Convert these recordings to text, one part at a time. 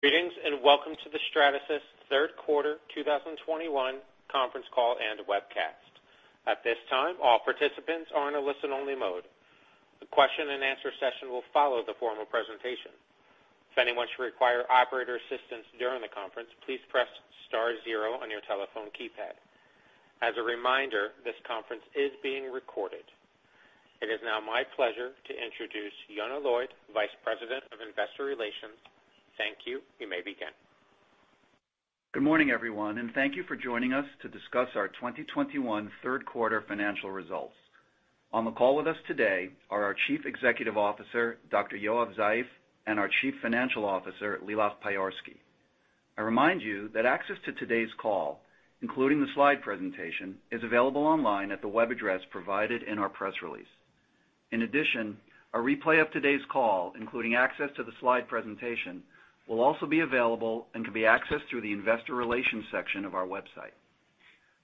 Greetings, and welcome to the Stratasys third quarter 2021 conference call and webcast. At this time, all participants are in a listen-only mode. The question and answer session will follow the formal presentation. If anyone should require operator assistance during the conference, please press star zero on your telephone keypad. As a reminder, this conference is being recorded. It is now my pleasure to introduce Yonah Lloyd, Vice President of Investor Relations. Thank you. You may begin. Good morning, everyone, and thank you for joining us to discuss our 2021 third quarter financial results. On the call with us today are our Chief Executive Officer, Dr. Yoav Zeif, and our Chief Financial Officer, Lilach Payorski. I.remind you that access to today's call, including the slide presentation, is available online at the web address provided in our press release. In addition, a replay of today's call, including access to the slide presentation, will also be available and can be accessed through the investor relations section of our website.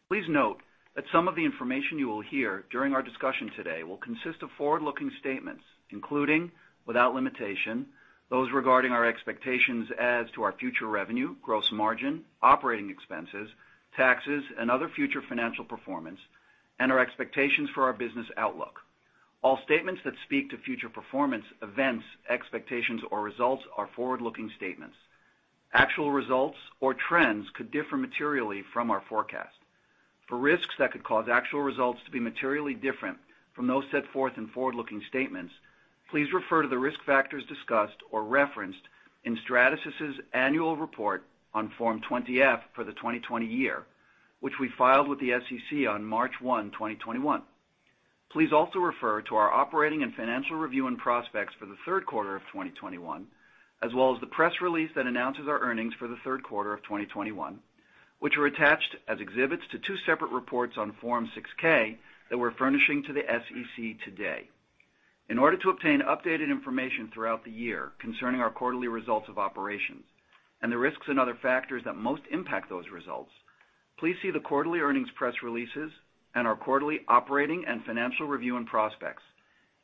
Please note that some of the information you will hear during our discussion today will consist of forward-looking statements, including, without limitation, those regarding our expectations as to our future revenue, gross margin, operating expenses, taxes, and other future financial performance, and our expectations for our business outlook. All statements that speak to future performance, events, expectations, or results are forward-looking statements. Actual results or trends could differ materially from our forecast. For risks that could cause actual results to be materially different from those set forth in forward-looking statements, please refer to the risk factors discussed or referenced in Stratasys' annual report on Form 20-F for the 2020 year, which we filed with the SEC on March 1, 2021. Please also refer to our operating and financial review and prospects for the third quarter of 2021, as well as the press release that announces our earnings for the third quarter of 2021, which were attached as exhibits to two separate reports on Form 6-K that we're furnishing to the SEC today. In order to obtain updated information throughout the year concerning our quarterly results of operations and the risks and other factors that most impact those results, please see the quarterly earnings press releases and our quarterly operating and financial review and prospects,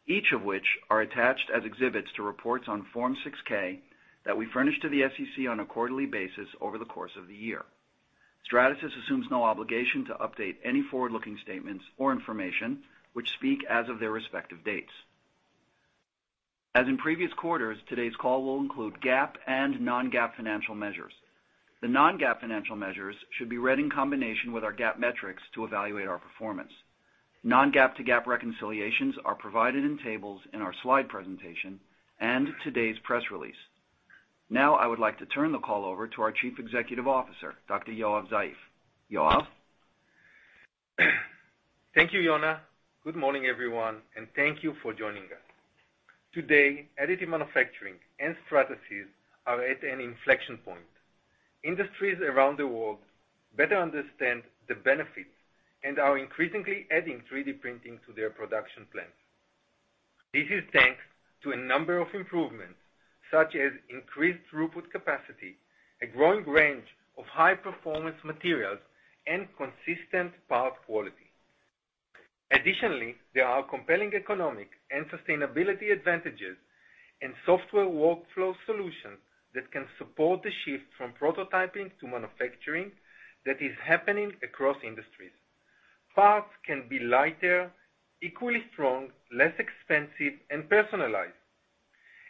each of which are attached as exhibits to reports on Form 6-K that we furnish to the SEC on a quarterly basis over the course of the year. Stratasys assumes no obligation to update any forward-looking statements or information which speak as of their respective dates. As in previous quarters, today's call will include GAAP and non-GAAP financial measures. The non-GAAP financial measures should be read in combination with our GAAP metrics to evaluate our performance. Non-GAAP to GAAP reconciliations are provided in tables in our slide presentation and today's press release. Now, I would like to turn the call over to our Chief Executive Officer, Dr. Yoav Zeif. Yoav? Thank you, Yonah. Good morning, everyone, and thank you for joining us. Today, additive manufacturing and Stratasys are at an inflection point. Industries around the world better understand the benefits and are increasingly adding 3D printing to their production plans. This is thanks to a number of improvements, such as increased throughput capacity, a growing range of high-performance materials, and consistent part quality. Additionally, there are compelling economic and sustainability advantages and software workflow solutions that can support the shift from prototyping to manufacturing that is happening across industries. Parts can be lighter, equally strong, less expensive, and personalized.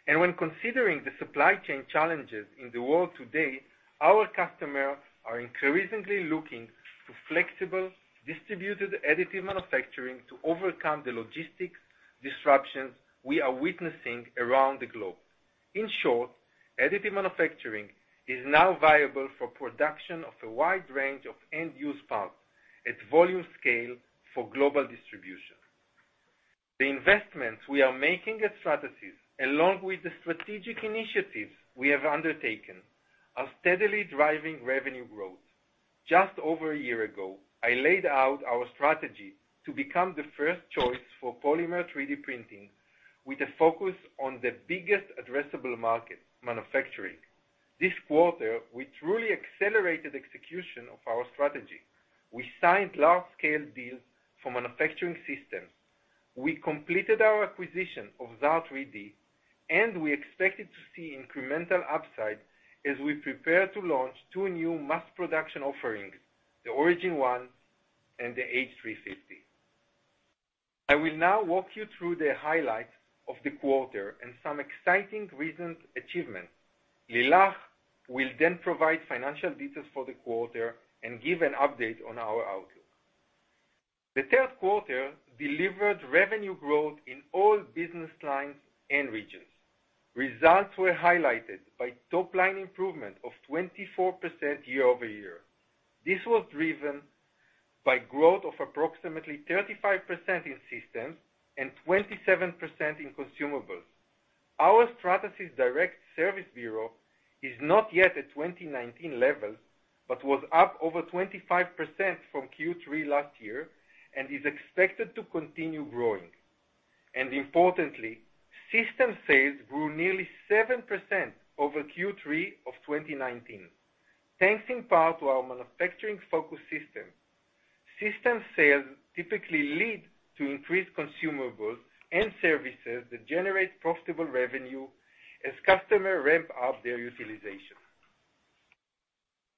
When considering the supply chain challenges in the world today, our customers are increasingly looking to flexible, distributed additive manufacturing to overcome the logistics disruptions we are witnessing around the globe. In short, additive manufacturing is now viable for production of a wide range of end-use parts at volume scale for global distribution. The investments we are making at Stratasys, along with the strategic initiatives we have undertaken, are steadily driving revenue growth. Just over a year ago, I laid out our strategy to become the first choice for polymer 3D printing with a focus on the biggest addressable market, manufacturing. This quarter, we truly accelerated execution of our strategy. We signed large-scale deals for manufacturing systems. We completed our acquisition of Xaar 3D, and we expected to see incremental upside as we prepare to launch two new mass production offerings, the Origin One and the H350. I will now walk you through the highlights of the quarter and some exciting recent achievements. Lilach will then provide financial details for the quarter and give an update on our outlook. The third quarter delivered revenue growth in all business lines and regions. Results were highlighted by top line improvement of 24% year-over-year. This was driven by growth of approximately 35% in systems and 27% in consumables. Our Stratasys Direct Service Bureau is not yet at 2019 levels, but was up over 25% from Q3 last year and is expected to continue growing. Importantly, system sales grew nearly 7% over Q3 of 2019, thanks in part to our manufacturing-focused system. System sales typically lead to increased consumables and services that generate profitable revenue as customer ramp up their utilization.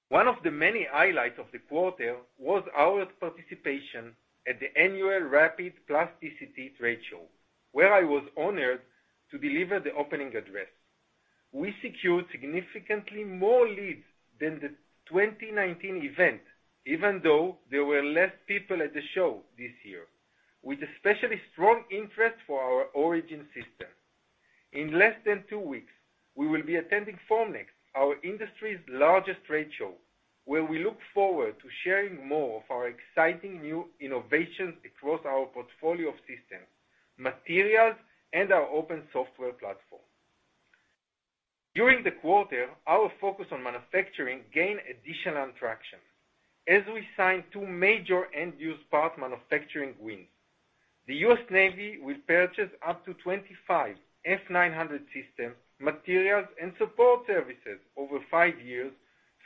One of the many highlights of the quarter was our participation at the annual RAPID + TCT trade show, where I was honored to deliver the opening address. We secured significantly more leads than the 2019 event, even though there were less people at the show this year, with especially strong interest for our Origin system. In less than two weeks, we will be attending Formnext, our industry's largest trade show, where we look forward to sharing more of our exciting new innovations across our portfolio of systems, materials, and our open software platform. During the quarter, our focus on manufacturing gained additional traction as we signed two major end-use part manufacturing wins. The U.S. Navy will purchase up to 25 F900 systems, materials and support services over five years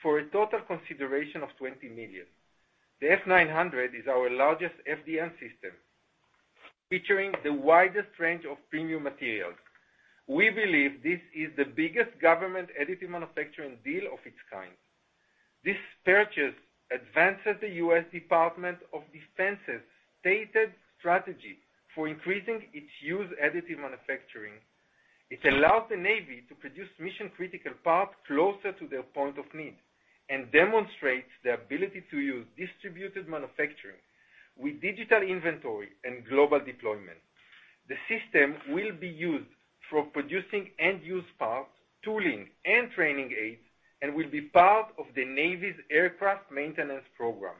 for a total consideration of $20 million. The F900 is our largest FDM system, featuring the widest range of premium materials. We believe this is the biggest government additive manufacturing deal of its kind. This purchase advances the U.S. Department of Defense's stated strategy for increasing its use of additive manufacturing. It allows the Navy to produce mission-critical parts closer to their point of need and demonstrates the ability to use distributed manufacturing with digital inventory and global deployment. The system will be used for producing end-use parts, tooling and training aids, and will be part of the Navy's aircraft maintenance program.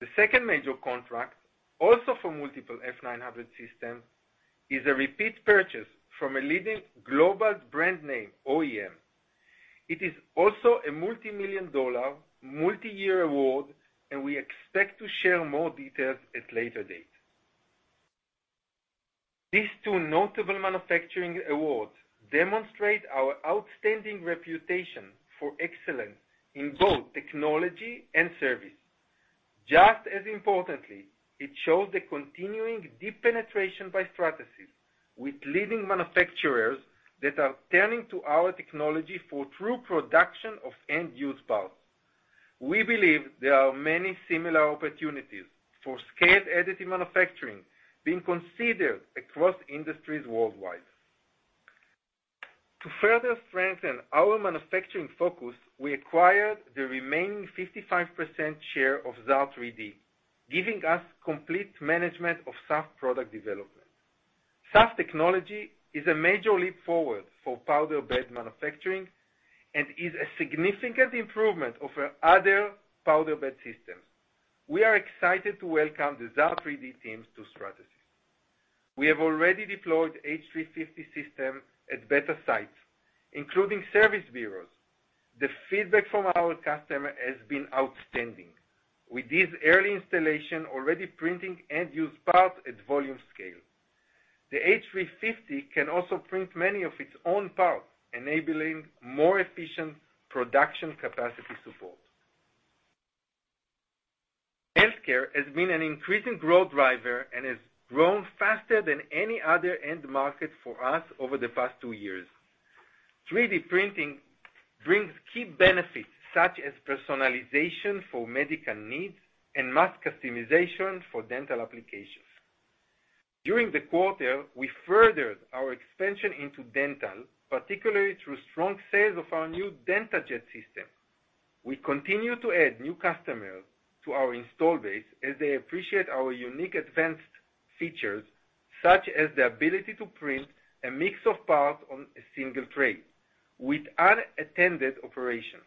The second major contract, also for multiple F900 systems, is a repeat purchase from a leading global brand name OEM. It is also a USD multi-million, multi-year award, and we expect to share more details at a later date. These two notable manufacturing awards demonstrate our outstanding reputation for excellence in both technology and service. Just as importantly, it shows the continuing deep penetration by Stratasys with leading manufacturers that are turning to our technology for true production of end-use parts. We believe there are many similar opportunities for scaled additive manufacturing being considered across industries worldwide. To further strengthen our manufacturing focus, we acquired the remaining 55% share of Xaar 3D, giving us complete management of SAF product development. SAF technology is a major leap forward for powder bed manufacturing and is a significant improvement over other powder bed systems. We are excited to welcome the Xaar 3D teams to Stratasys. We have already deployed H350 system at beta sites, including service bureaus. The feedback from our customer has been outstanding, with this early installation already printing end use parts at volume scale. The H350 can also print many of its own parts, enabling more efficient production capacity support. Healthcare has been an increasing growth driver and has grown faster than any other end market for us over the past two years. 3D printing brings key benefits such as personalization for medical needs and mass customization for dental applications. During the quarter, we furthered our expansion into dental, particularly through strong sales of our new J5 DentaJet system. We continue to add new customers to our install base as they appreciate our unique advanced features, such as the ability to print a mix of parts on a single tray with unattended operation.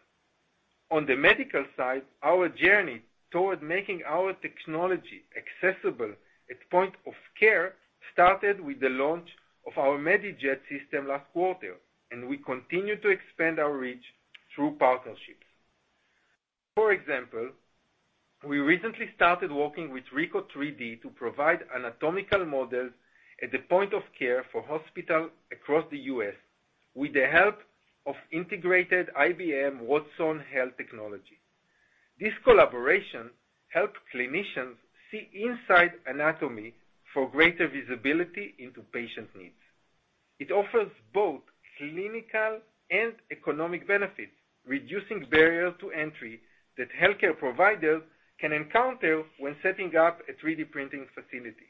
On the medical side, our journey towards making our technology accessible at point of care started with the launch of our J5 MediJet system last quarter, and we continue to expand our reach through partnerships. For example, we recently started working with Ricoh 3D to provide anatomical models at the point of care for hospitals across the U.S. with the help of integrated IBM Watson Health technology. This collaboration helps clinicians see inside anatomy for greater visibility into patient needs. It offers both clinical and economic benefits, reducing barriers to entry that healthcare providers can encounter when setting up a 3D printing facility.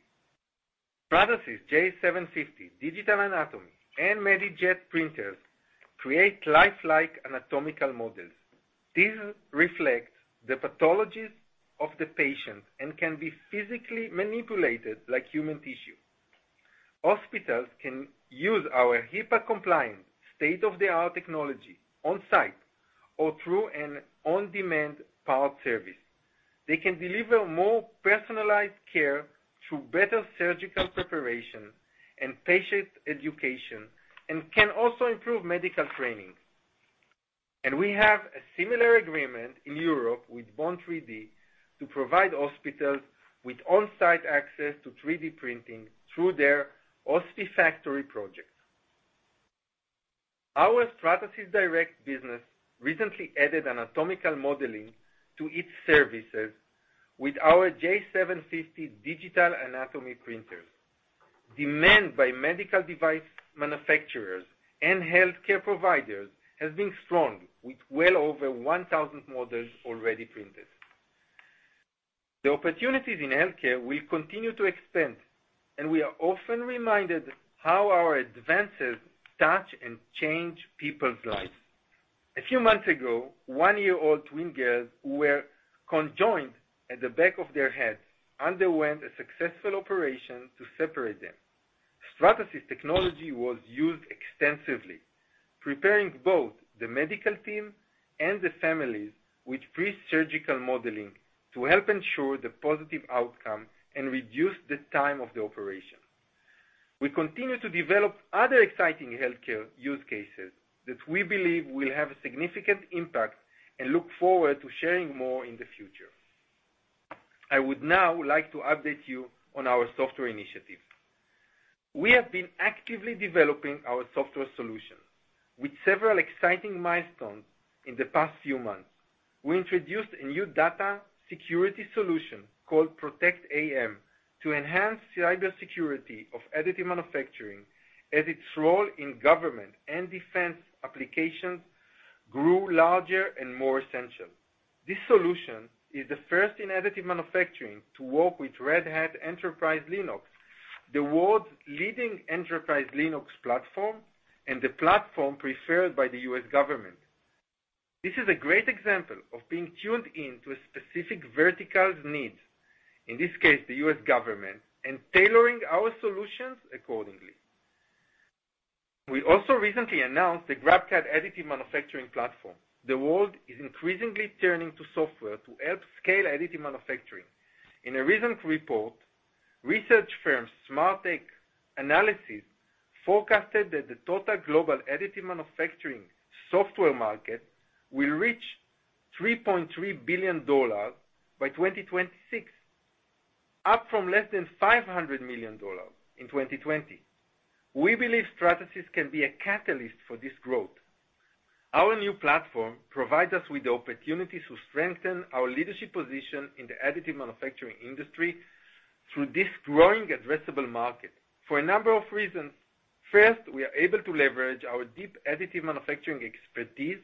Stratasys J750 Digital Anatomy and J5 MediJet printers create lifelike anatomical models. These reflect the pathologies of the patient and can be physically manipulated like human tissue. Hospitals can use our HIPAA-compliant, state-of-the-art technology on-site or through an on-demand part service. They can deliver more personalized care through better surgical preparation and patient education, and can also improve medical training. We have a similar agreement in Europe with Bone 3D to provide hospitals with on-site access to 3D printing through their OsteoFactory project. Our Stratasys Direct business recently added anatomical modeling to its services with our J750 Digital Anatomy printers. Demand by medical device manufacturers and healthcare providers has been strong, with well over 1,000 models already printed. The opportunities in healthcare will continue to expand, and we are often reminded how our advances touch and change people's lives. A few months ago, one-year-old twin girls who were conjoined at the back of their heads underwent a successful operation to separate them. Stratasys technology was used extensively, preparing both the medical team and the families with pre-surgical modeling to help ensure the positive outcome and reduce the time of the operation. We continue to develop other exciting healthcare use cases that we believe will have a significant impact and look forward to sharing more in the future. I would now like to update you on our software initiative. We have been actively developing our software solution with several exciting milestones in the past few months. We introduced a new data security solution called ProtectAM to enhance cybersecurity of additive manufacturing as its role in government and defense applications grew larger and more essential. This solution is the first in additive manufacturing to work with Red Hat Enterprise Linux, the world's leading enterprise Linux platform and the platform preferred by the U.S. government. This is a great example of being tuned in to a specific vertical's needs, in this case, the U.S. government, and tailoring our solutions accordingly. We also recently announced the GrabCAD additive manufacturing platform. The world is increasingly turning to software to help scale additive manufacturing. In a recent report, research firm SmarTech Analysis forecasted that the total global additive manufacturing software market will reach $3.3 billion by 2026, up from less than $500 million in 2020..We believe Stratasys can be a catalyst for this growth. Our new platform provides us with the opportunity to strengthen our leadership position in the additive manufacturing industry through this growing addressable market for a number of reasons. First, we are able to leverage our deep additive manufacturing expertise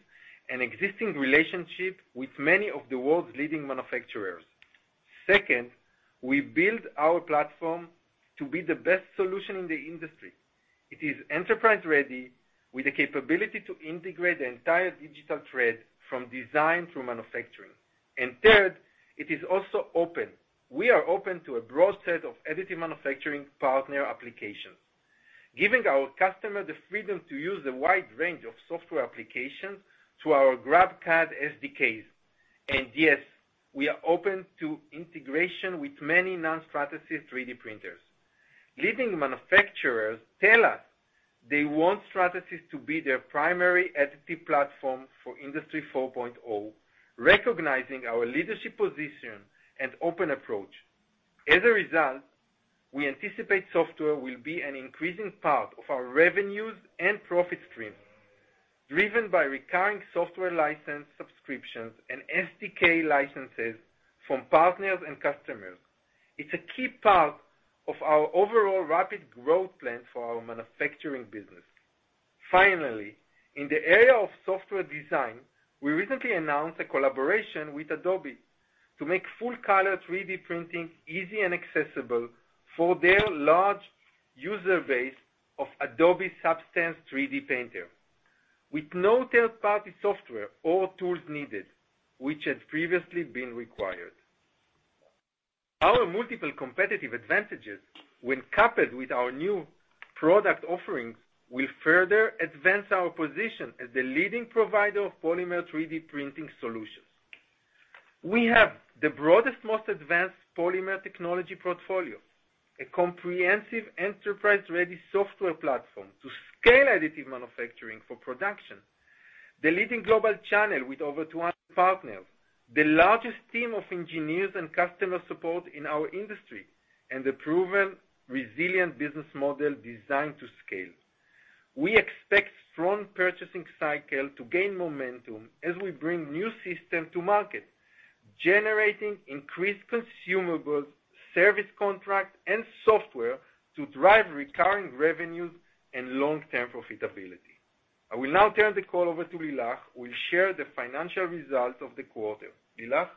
and existing relationship with many of the world's leading manufacturers. Second, we build our platform to be the best solution in the industry. It is enterprise-ready with the capability to integrate the entire digital thread from design to manufacturing. Third, it is also open. We are open to a broad set of additive manufacturing partner applications, giving our customers the freedom to use a wide range of software applications to our GrabCAD SDKs. Yes, we are open to integration with many non-Stratasys 3D printers. Leading manufacturers tell us they want Stratasys to be their primary additive platform for Industry 4.0, recognizing our leadership position and open approach. As a result, we anticipate software will be an increasing part of our revenues and profit stream, driven by recurring software license subscriptions and SDK licenses from partners and customers. It's a key part of our overall rapid growth plan for our manufacturing business. Finally, in the area of software design, we recently announced a collaboration with Adobe to make full-color 3D printing easy and accessible for their large user base of Adobe Substance 3D Painter with no third-party software or tools needed, which had previously been required. Our multiple competitive advantages, when coupled with our new product offerings, will further advance our position as the leading provider of polymer 3D printing solutions. We have the broadest, most advanced polymer technology portfolio, a comprehensive enterprise-ready software platform to scale additive manufacturing for production, the leading global channel with over 200 partners, the largest team of engineers and customer support in our industry, and a proven, resilient business model designed to scale. We expect strong purchasing cycle to gain momentum as we bring new systems to market, generating increased consumables, service contracts, and software to drive recurring revenues and long-term profitability. I will now turn the call over to Lilach, who will share the financial results of the quarter. Lilach?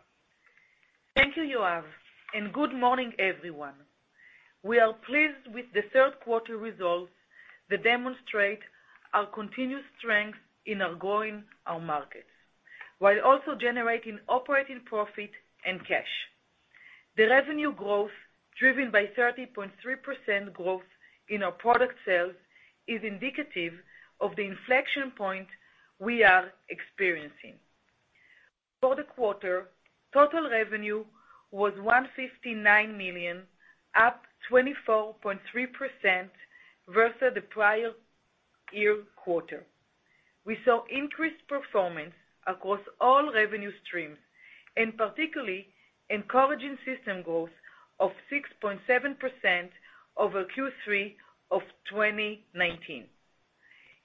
Thank you, Yoav, and good morning, everyone. We are pleased with the third quarter results that demonstrate our continued strength in our growing markets, while also generating operating profit and cash. The revenue growth, driven by 30.3% growth in our product sales, is indicative of the inflection point we are experiencing. For the quarter, total revenue was $159 million, up 24.3% versus the prior year quarter. We saw increased performance across all revenue streams. Particularly encouraging system growth of 6.7% over Q3 of 2019.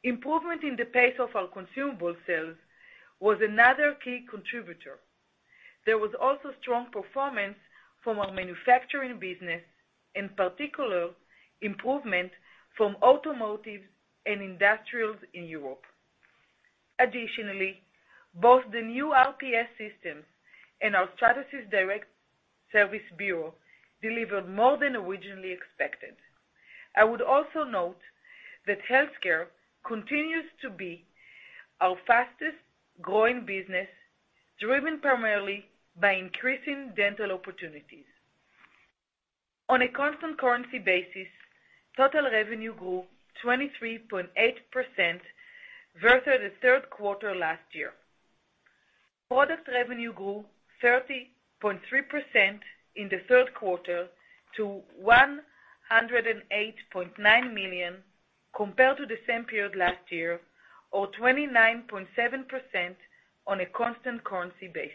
Improvement in the pace of our consumable sales was another key contributor. There was also strong performance from our manufacturing business, in particular, improvement from automotive and industrials in Europe. Additionally, both the new RPS systems and our Stratasys Direct service bureau delivered more than originally expected. I would also note that healthcare continues to be our fastest growing business, driven primarily by increasing dental opportunities. On a constant currency basis, total revenue grew 23.8% versus the third quarter last year. Product revenue grew 30.3% in the third quarter to $108.9 million, compared to the same period last year, or 29.7% on a constant currency basis.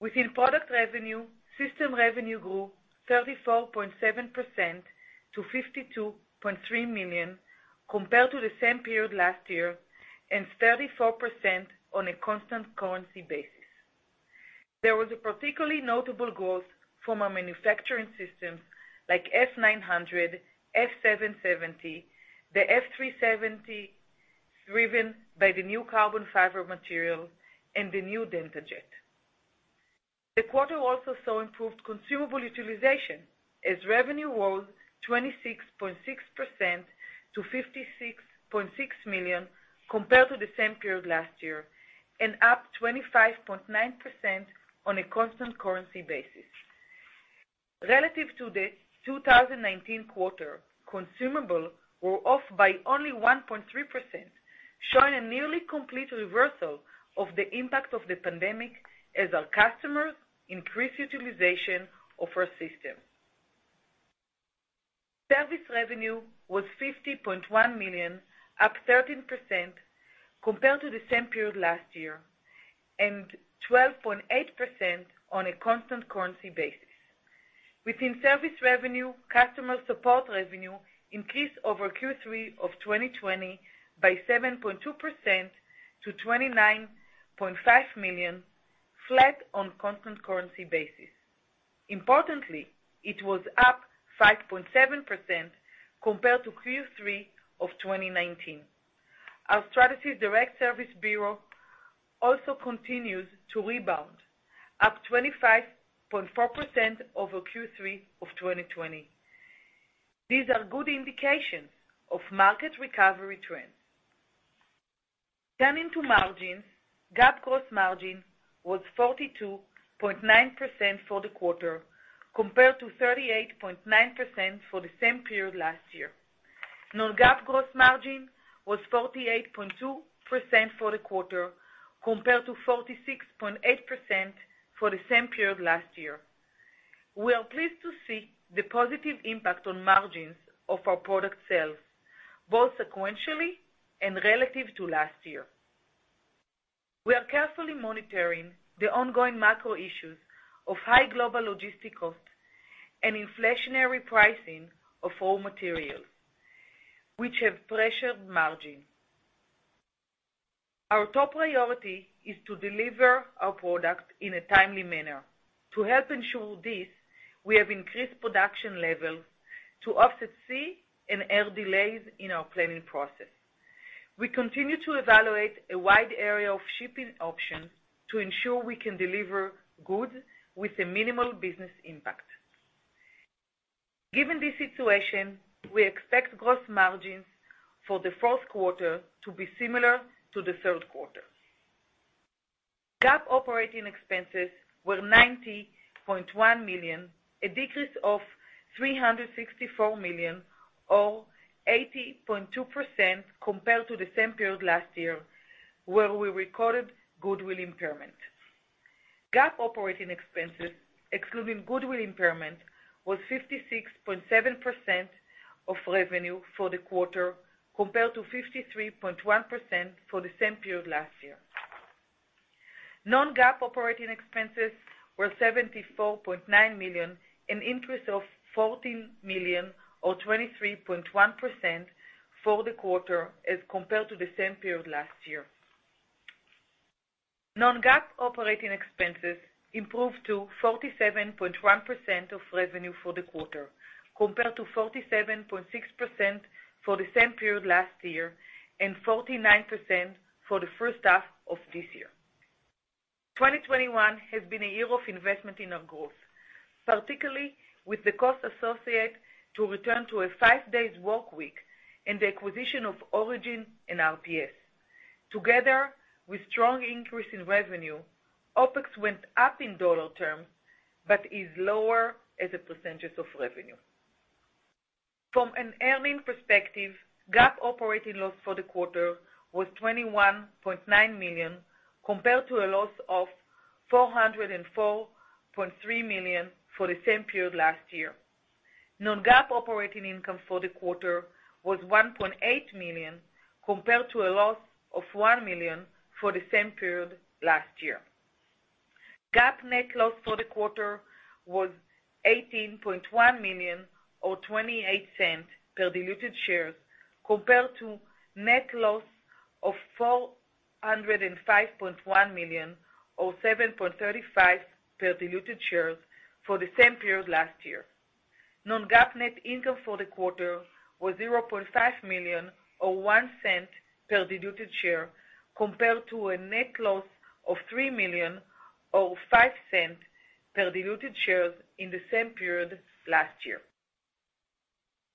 Within product revenue, system revenue grew 34.7% to $52.3 million, compared to the same period last year, and 34% on a constant currency basis. There was a particularly notable growth from our manufacturing systems like F900, F770, the F370, driven by the new carbon fiber material and the new J5 DentaJet. The quarter also saw improved consumables utilization as revenue rose 26.6% to $56.6 million compared to the same period last year, and up 25.9% on a constant currency basis. Relative to the 2019 quarter, consumables were off by only 1.3%, showing a nearly complete reversal of the impact of the pandemic as our customers increased utilization of our system. Service revenue was $50.1 million, up 13% compared to the same period last year, and 12.8% on a constant currency basis. Within service revenue, customer support revenue increased over Q3 of 2020 by 7.2% to $29.5 million, flat on constant currency basis. Importantly, it was up 5.7% compared to Q3 of 2019. Our Stratasys Direct service bureau also continues to rebound, up 25.4% over Q3 of 2020. These are good indications of market recovery trends. Turning to margins, GAAP gross margin was 42.9% for the quarter, compared to 38.9% for the same period last year. Non-GAAP gross margin was 48.2% for the quarter, compared to 46.8% for the same period last year. We are pleased to see the positive impact on margins of our product sales, both sequentially and relative to last year. We are carefully monitoring the ongoing macro issues of high global logistics cost and inflationary pricing of raw materials which have pressured margin. Our top priority is to deliver our product in a timely manner. To help ensure this, we have increased production levels to offset sea and air delays in our planning process. We continue to evaluate a wide area of shipping options to ensure we can deliver goods with a minimal business impact. Given this situation, we expect gross margins for the fourth quarter to be similar to the third quarter. GAAP operating expenses were $90.1 million, a decrease of $364 million, or 80.2% compared to the same period last year, where we recorded goodwill impairment. GAAP operating expenses excluding goodwill impairment was 56.7% of revenue for the quarter, compared to 53.1% for the same period last year. Non-GAAP operating expenses were $74.9 million, an increase of $14 million or 23.1% for the quarter as compared to the same period last year. Non-GAAP operating expenses improved to 47.1% of revenue for the quarter, compared to 47.6% for the same period last year, and 49% for the first half of this year. 2021 has been a year of investment in our growth, particularly with the cost associated to return to a 5-day work week and the acquisition of Origin and RPS. Together with strong increase in revenue, OpEx went up in dollar terms, but is lower as a percentage of revenue. From an earning perspective, GAAP operating loss for the quarter was $21.9 million, compared to a loss of $404.3 million for the same period last year. Non-GAAP operating income for the quarter was $1.8 million, compared to a loss of $1 million for the same period last year. GAAP net loss for the quarter was $18.1 million, or $0.28 per diluted shares, compared to net loss of $405.1 million, or $7.35 per diluted shares for the same period last year. Non-GAAP net income for the quarter was $0.5 million, or $0.01 per diluted share, compared to a net loss of $3 million, or $0.05 per diluted shares in the same period last year.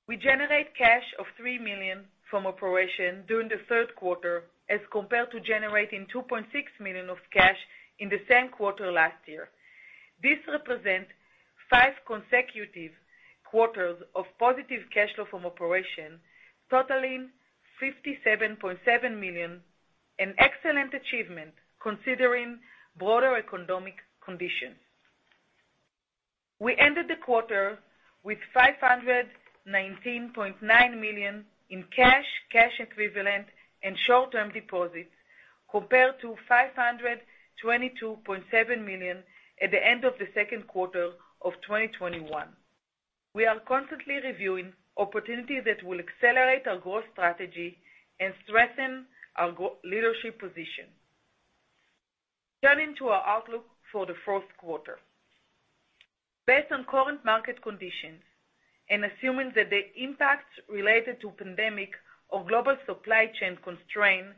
We generate cash of $3 million from operation during the third quarter, as compared to generating $2.6 million of cash in the same quarter last year. This represents five consecutive quarters of positive cash flow from operation totaling $57.7 million, an excellent achievement considering broader economic conditions. We ended the quarter with $519.9 million in cash equivalents and short-term deposits, compared to $522.7 million at the end of the second quarter of 2021. We are constantly reviewing opportunities that will accelerate our growth strategy and strengthen our go-to leadership position. Turning to our outlook for the fourth quarter. Based on current market conditions, and assuming that the impacts related to pandemic or global supply chain constraints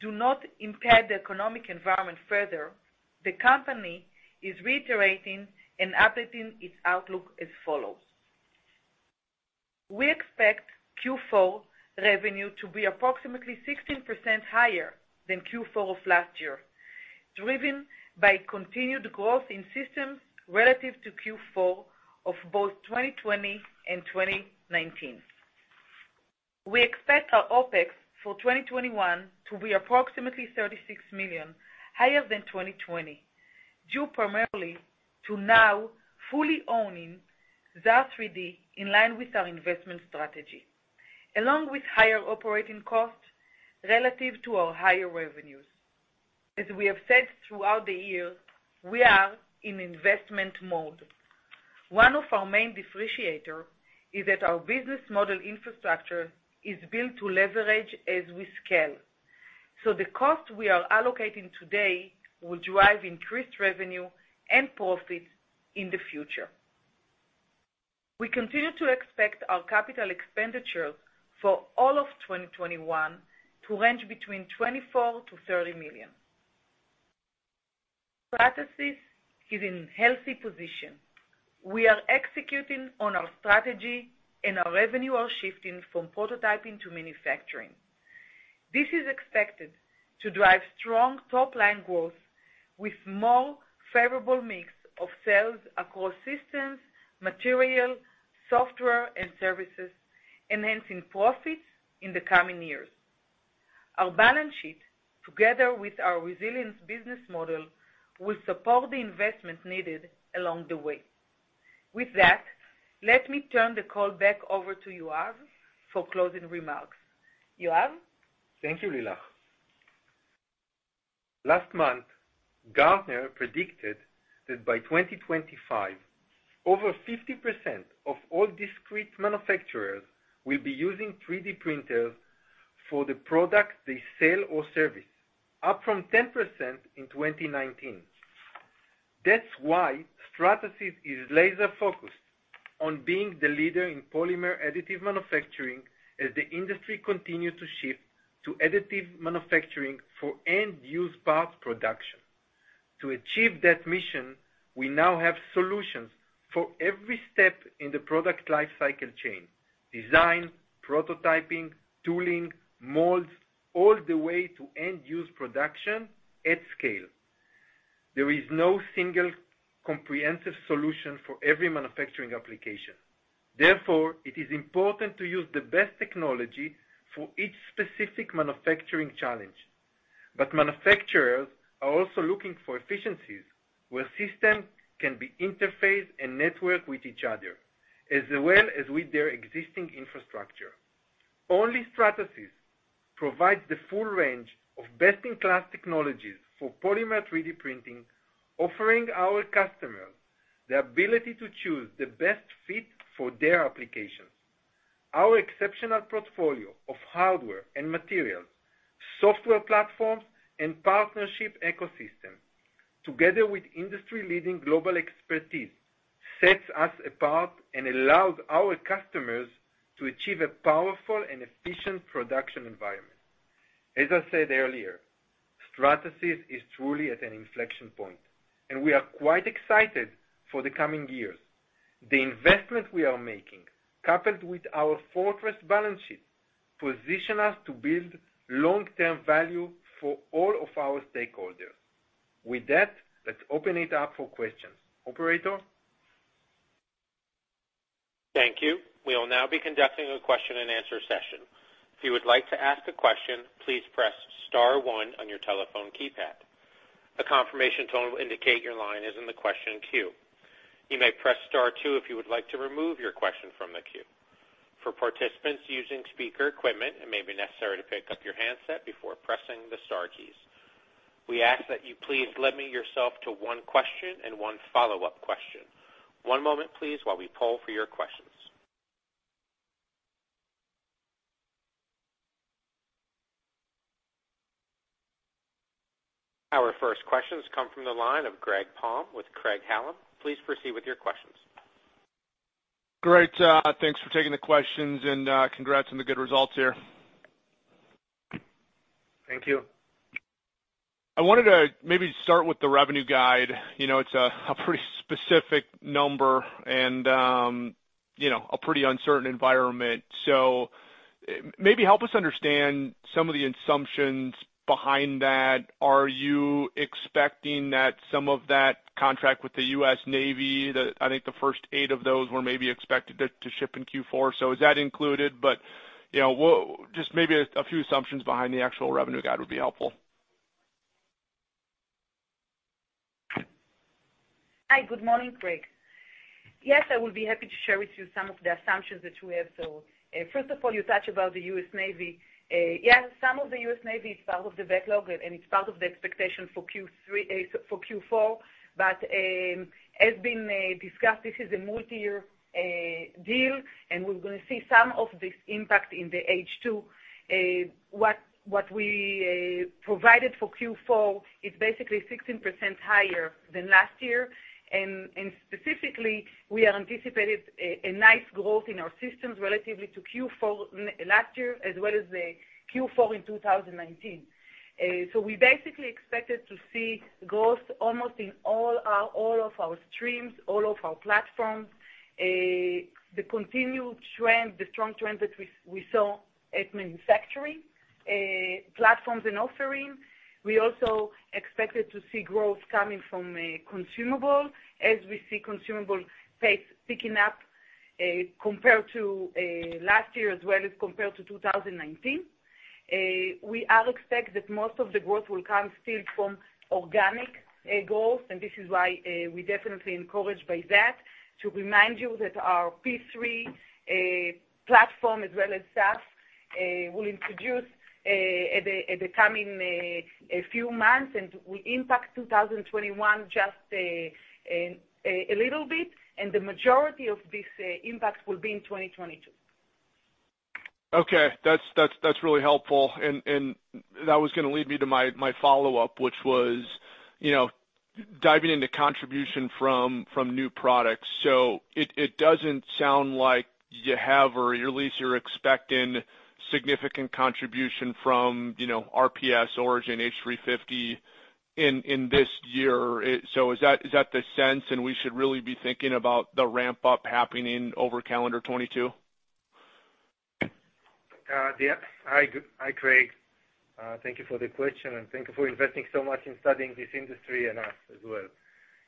do not impact the economic environment further, the company is reiterating and updating its outlook as follows. We expect Q4 revenue to be approximately 16% higher than Q4 of last year, driven by continued growth in systems relative to Q4 of both 2020 and 2019. We expect our OpEx for 2021 to be approximately $36 million higher than 2020, due primarily to now fully owning Xaar 3D, in line with our investment strategy, along with higher operating costs relative to our higher revenues. As we have said throughout the year, we are in investment mode. One of our main differentiator is that our business model infrastructure is built to leverage as we scale, so the cost we are allocating today will drive increased revenue and profits in the future. We continue to expect our CapEx for all of 2021 to range between $24 million-$30 million. Stratasys is in healthy position. We are executing on our strategy, and our revenue are shifting from prototyping to manufacturing. This is expected to drive strong top-line growth with more favorable mix of sales across systems, material, software and services, enhancing profits in the coming years. Our balance sheet, together with our resilient business model, will support the investment needed along the way. With that, let me turn the call back over to Yoav for closing remarks. Yoav? Thank you, Lilach. Last month, Gartner predicted that by 2025, over 50% of all discrete manufacturers will be using 3D printers for the product they sell or service, up from 10% in 2019. That's why Stratasys is laser-focused on being the leader in polymer additive manufacturing as the industry continue to shift to additive manufacturing for end-use parts production. To achieve that mission, we now have solutions for every step in the product life cycle chain, design, prototyping, tooling, molds, all the way to end-use production at scale. There is no single comprehensive solution for every manufacturing application. Therefore, it is important to use the best technology for each specific manufacturing challenge. Manufacturers are also looking for efficiencies, where systems can be interfaced and networked with each other, as well as with their existing infrastructure. Only Stratasys provides the full range of best-in-class technologies for polymer 3D printing, offering our customers the ability to choose the best fit for their applications. Our exceptional portfolio of hardware and materials, software platforms, and partnership ecosystem, together with industry-leading global expertise, sets us apart and allows our customers to achieve a powerful and efficient production environment. As I said earlier, Stratasys is truly at an inflection point, and we are quite excited for the coming years. The investment we are making, coupled with our fortress balance sheet, position us to build long-term value for all of our stakeholders. With that, let's open it up for questions. Operator? Thank you. We will now be conducting a question-and-answer session. If you would like to ask a question, please press star one on your telephone keypad. A confirmation tone will indicate your line is in the question queue. You may press star two if you would like to remove your question from the queue. For participants using speaker equipment, it may be necessary to pick up your handset before pressing the star keys. We ask that you please limit yourself to one question and one follow-up question. One moment please, while we poll for your questions. Our first questions come from the line of Greg Palm with Craig-Hallum. Please proceed with your questions. Great. Thanks for taking the questions, and congrats on the good results here. Thank you. I wanted to maybe start with the revenue guide. You know, it's a pretty specific number and, you know, a pretty uncertain environment. Maybe help us understand some of the assumptions behind that. Are you expecting that some of that contract with the U.S. Navy, that I think the first 8 of those were maybe expected to ship in Q4, so is that included? You know, just maybe a few assumptions behind the actual revenue guide would be helpful. Hi. Good morning, Greg. Yes, I will be happy to share with you some of the assumptions that we have. First of all, you touched on the U.S. Navy. Yes, some of the U.S. Navy is part of the backlog and it's part of the expectation for Q4. As has been discussed, this is a multi-year deal, and we're gonna see some of this impact in the H2. What we provided for Q4 is basically 16% higher than last year. And specifically, we anticipate a nice growth in our systems relative to Q4 last year, as well as the Q4 in 2019. We basically expect to see growth almost in all of our streams, all of our platforms. The continued trend, the strong trend that we saw at manufacturing platforms and offerings. We also expected to see growth coming from consumables as we see consumables pace picking up, compared to last year as well as compared to 2019. We expect that most of the growth will come still from organic growth, and this is why we are definitely encouraged by that. To remind you that our P3 platform as well as SAF will be introduced in the coming few months and will impact 2021 just a little bit, and the majority of this impact will be in 2022. Okay. That's really helpful. That was gonna lead me to my follow-up, which was, you know, diving into contribution from new products. It doesn't sound like you have, or at least you're expecting significant contribution from, you know, RPS Origin H350 in this year. Is that the sense, and we should really be thinking about the ramp up happening over calendar 2022? Yeah. Hi, Craig. Thank you for the question, and thank you for investing so much in studying this industry and us as well.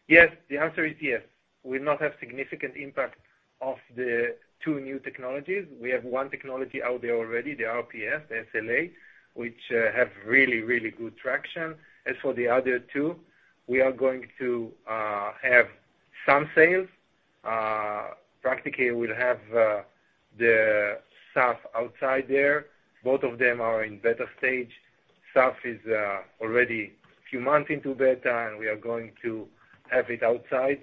Yes. The answer is yes. We will not have significant impact of the two new technologies. We have one technology out there already, the RPS, the SLA, which have really good traction. As for the other two, we are going to have some sales. Practically we'll have the SAF out there. Both of them are in beta stage. SAF is already a few months into beta, and we are going to have it out there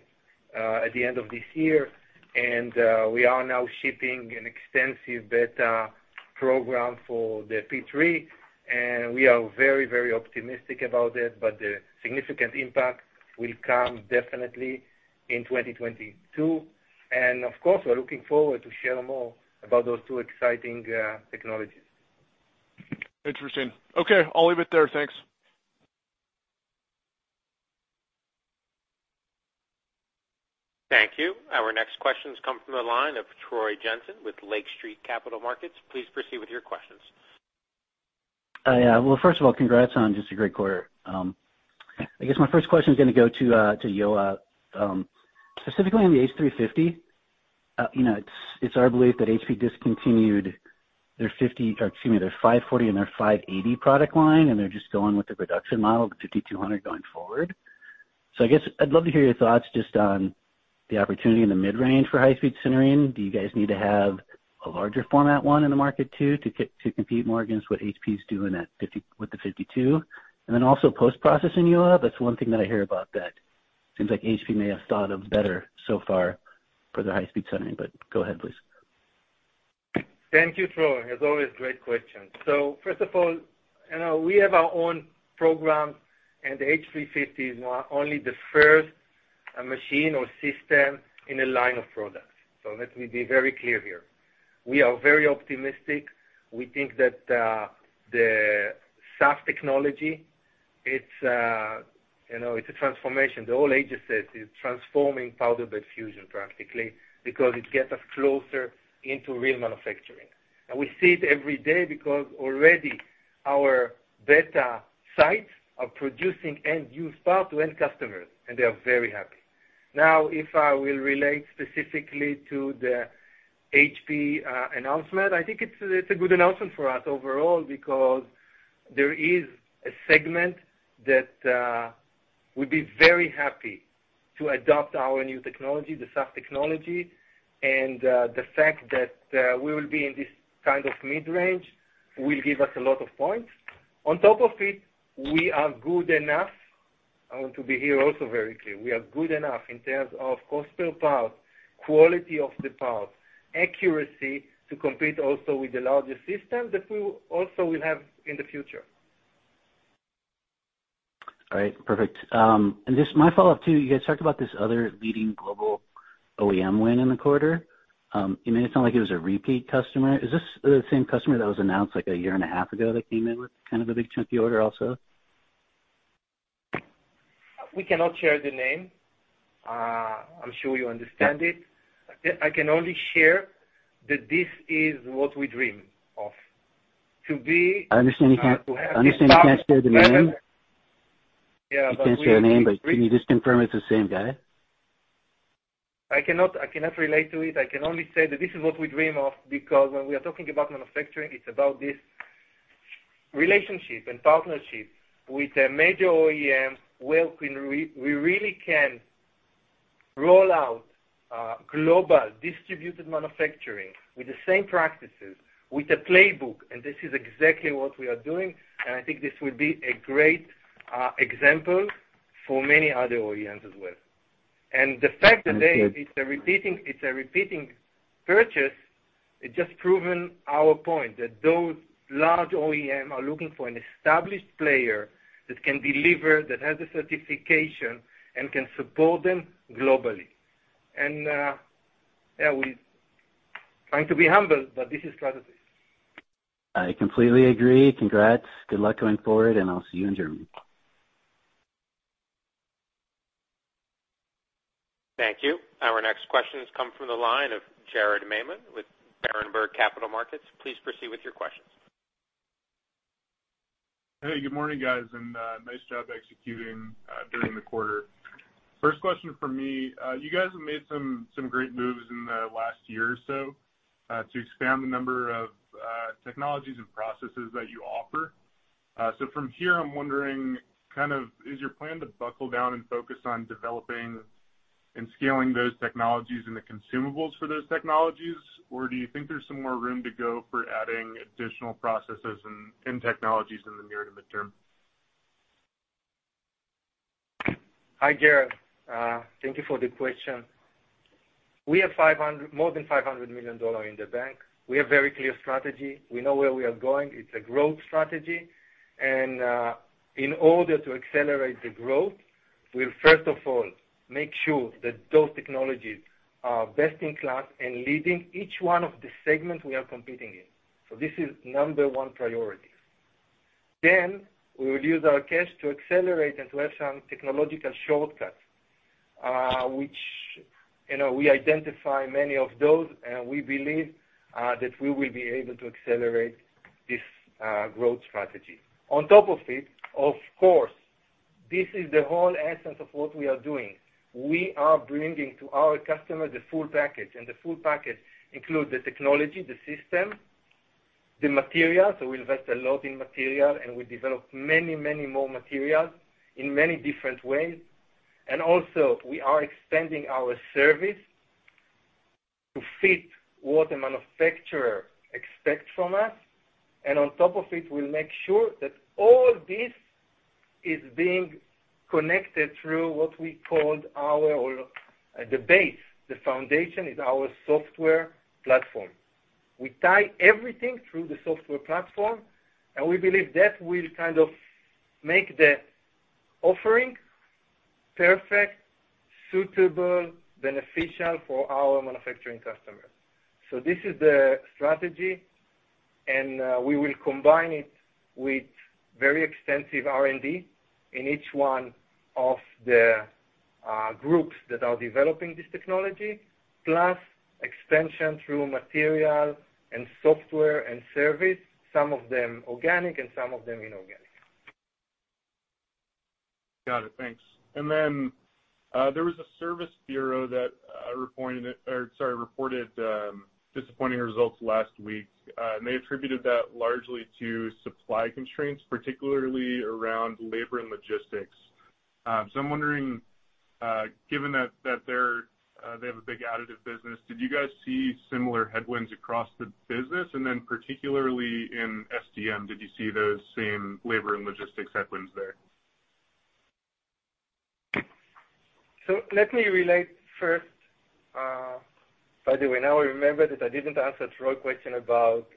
at the end of this year. We are now shipping an extensive beta program for the P3, and we are very optimistic about it, but the significant impact will come definitely in 2022. Of course, we're looking forward to share more about those two exciting technologies. Interesting. Okay. I'll leave it there. Thanks. Thank you. Our next questions come from the line of Troy Jensen with Lake Street Capital Markets. Please proceed with your questions. Yeah. Well, first of all, congrats on just a great quarter. I guess my first question is gonna go to Yoav. Specifically on the H350, you know, it's our belief that HP discontinued their 540 and their 580 product line, and they're just going with the production model, the 5,200, going forward. I guess I'd love to hear your thoughts just on the opportunity in the mid-range for high-speed sintering. Do you guys need to have a larger format one in the market too, to compete more against what HP's doing with the 5,200? And then also post-processing, Yoav. That's one thing that I hear about that seems like HP may have thought of better so far for the high-speed sintering. Go ahead, please. Thank you, Troy. As always, great question. First of all, you know, we have our own program, and the H350 is only the first machine or system in a line of products. Let me be very clear here. We are very optimistic. We think that the SAF technology, it's you know, it's a transformation. The whole agency is transforming powder bed fusion practically because it gets us closer into real manufacturing. And we see it every day because already our beta sites are producing end-use parts to end customers, and they are very happy. Now, if I will relate specifically to the HP announcement, I think it's a good announcement for us overall because there is a segment that would be very happy to adopt our new technology, the SAF technology. The fact that we will be in this kind of mid-range will give us a lot of points. On top of it, we are good enough. I want to be here also very clear. We are good enough in terms of cost per part, quality of the part, accuracy to compete also with the larger system that we also will have in the future. All right. Perfect. Just my follow-up too, you guys talked about this other leading global OEM win in the quarter. You made it sound like it was a repeat customer. Is this the same customer that was announced like a year and a half ago that came in with kind of a big chunky order also? We cannot share the name. I'm sure you understand it. I can only share that this is what we dream of. I understand you can't share the name. Yeah, but we- You can't share a name, but can you just confirm it's the same guy? I cannot relate to it. I can only say that this is what we dream of, because when we are talking about manufacturing, it's about this relationship and partnership with a major OEM where we really can roll out global distributed manufacturing with the same practices, with a playbook. This is exactly what we are doing, and I think this will be a great example for many other OEMs as well. The fact that they- Okay. It's a repeating purchase. It just proven our point that those large OEM are looking for an established player that can deliver, that has the certification, and can support them globally. Yeah, we trying to be humble, but this is strategy. I completely agree. Congrats. Good luck going forward, and I'll see you in Germany. Thank you. Our next question has come from the line of Jared Maymon with Berenberg Capital Markets. Please proceed with your questions. Hey, good morning, guys, and nice job executing during the quarter. First question from me. You guys have made some great moves in the last year or so to expand the number of technologies and processes that you offer. From here, I'm wondering kind of is your plan to buckle down and focus on developing and scaling those technologies and the consumables for those technologies? Or do you think there's some more room to go for adding additional processes and technologies in the near to mid-term? Hi, Jared. Thank you for the question. We have more than $500 million in the bank. We have very clear strategy. We know where we are going. It's a growth strategy. In order to accelerate the growth, we'll first of all make sure that those technologies are best in class and leading each one of the segments we are competing in. This is number one priority. Then we will use our cash to accelerate and to have some technological shortcuts, which, you know, we identify many of those, and we believe that we will be able to accelerate this growth strategy. On top of it, of course, this is the whole essence of what we are doing. We are bringing to our customer the full package, and the full package include the technology, the system, the materials. We invest a lot in material, and we develop many, many more materials in many different ways. We are expanding our service to fit what a manufacturer expects from us. On top of it, we'll make sure that all this is being connected through what we called our or the base, the foundation is our software platform. We tie everything through the software platform, and we believe that will kind of make the offering perfect, suitable, beneficial for our manufacturing customers. This is the strategy, and we will combine it with very extensive R&D in each one of the groups that are developing this technology, plus extension through material and software and service, some of them organic and some of them inorganic. Got it. Thanks. There was a service bureau that reported disappointing results last week. They attributed that largely to supply constraints, particularly around labor and logistics. I'm wondering, given that they have a big additive business, did you guys see similar headwinds across the business? Particularly in SDM, did you see those same labor and logistics headwinds there? Let me relate first. By the way, now I remember that I didn't answer Troy's question about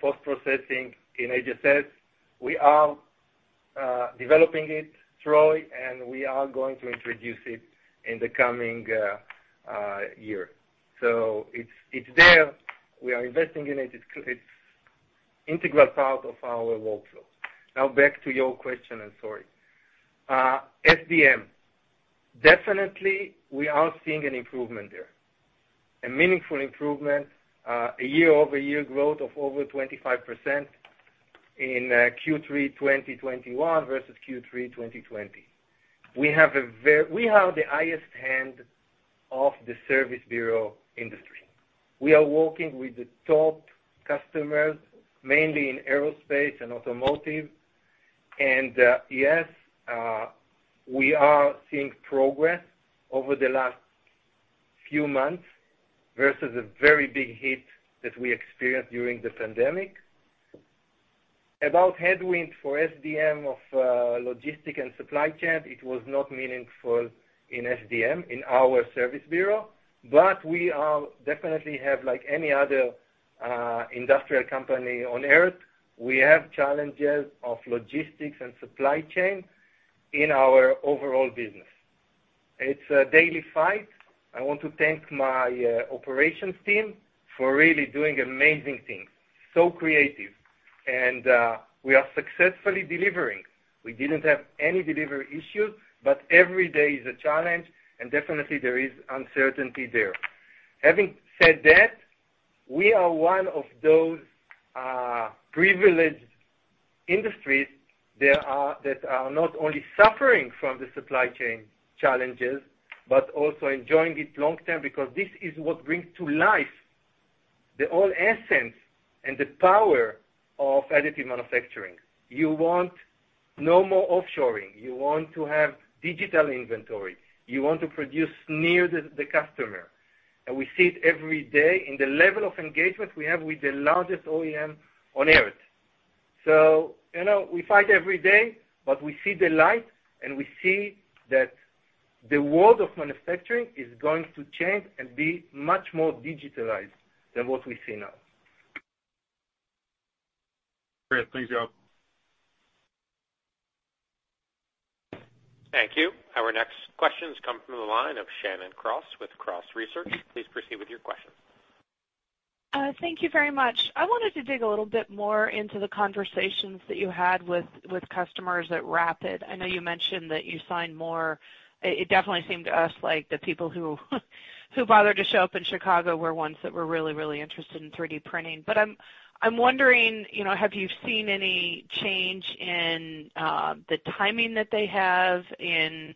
post-processing in AGSS. We are developing it, Troy, and we are going to introduce it in the coming year. It's there. We are investing in it. It's integral part of our workflow. Now back to your question, and sorry. SDM, definitely we are seeing an improvement there. A meaningful improvement, a year-over-year growth of over 25% in Q3 2021 versus Q3 2020. We have the highest end of the service bureau industry. We are working with the top customers, mainly in aerospace and automotive. Yes, we are seeing progress over the last few months versus a very big hit that we experienced during the pandemic. About headwind for SDM of, logistics and supply chain, it was not meaningful in SDM, in our service bureau. We definitely have, like any other, industrial company on Earth, we have challenges of logistics and supply chain in our overall business. It's a daily fight. I want to thank my operations team for really doing amazing things, so creative. We are successfully delivering. We didn't have any delivery issues, but every day is a challenge, and definitely there is uncertainty there. Having said that, we are one of those privileged industries that are not only suffering from the supply chain challenges, but also enjoying it long-term because this is what brings to life the whole essence and the power of additive manufacturing. You want no more offshoring. You want to have digital inventory. You want to produce near the customer. We see it every day in the level of engagement we have with the largest OEM on Earth. You know, we fight every day, but we see the light, and we see that the world of manufacturing is going to change and be much more digitalized than what we see now. Great. Thanks, Yoav. Thank you. Our next question comes from the line of Shannon Cross with Cross Research. Please proceed with your question. Thank you very much. I wanted to dig a little bit more into the conversations that you had with customers at Rapid. I know you mentioned that you signed more. It definitely seemed to us like the people who bothered to show up in Chicago were ones that were really interested in 3D printing. I'm wondering, you know, have you seen any change in the timing that they have in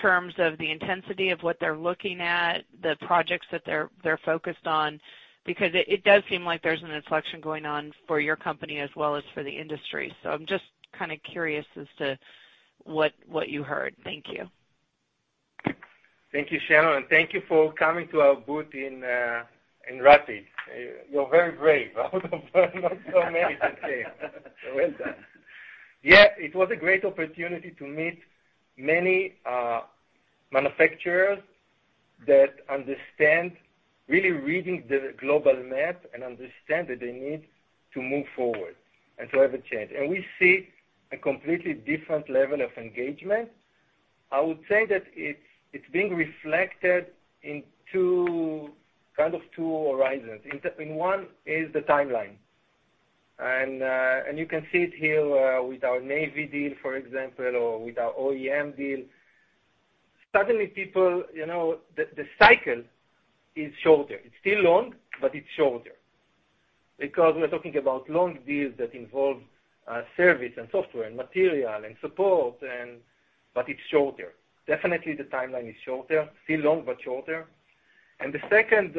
terms of the intensity of what they're looking at, the projects that they're focused on? Because it does seem like there's an inflection going on for your company as well as for the industry. I'm just kinda curious as to what you heard. Thank you. Thank you, Shannon, and thank you for coming to our booth in RAPID. You're very brave. Not so many that came. Well done. Yeah, it was a great opportunity to meet many manufacturers that understand really reading the global map and understand that they need to move forward and to have a change. We see a completely different level of engagement. I would say that it's being reflected in two, kind of two horizons. In between one is the timeline. You can see it here with our Navy deal, for example, or with our OEM deal. Suddenly people, you know, the cycle is shorter. It's still long, but it's shorter because we're talking about long deals that involve service and software and material and support but it's shorter. Definitely, the timeline is shorter. Still long, but shorter. The second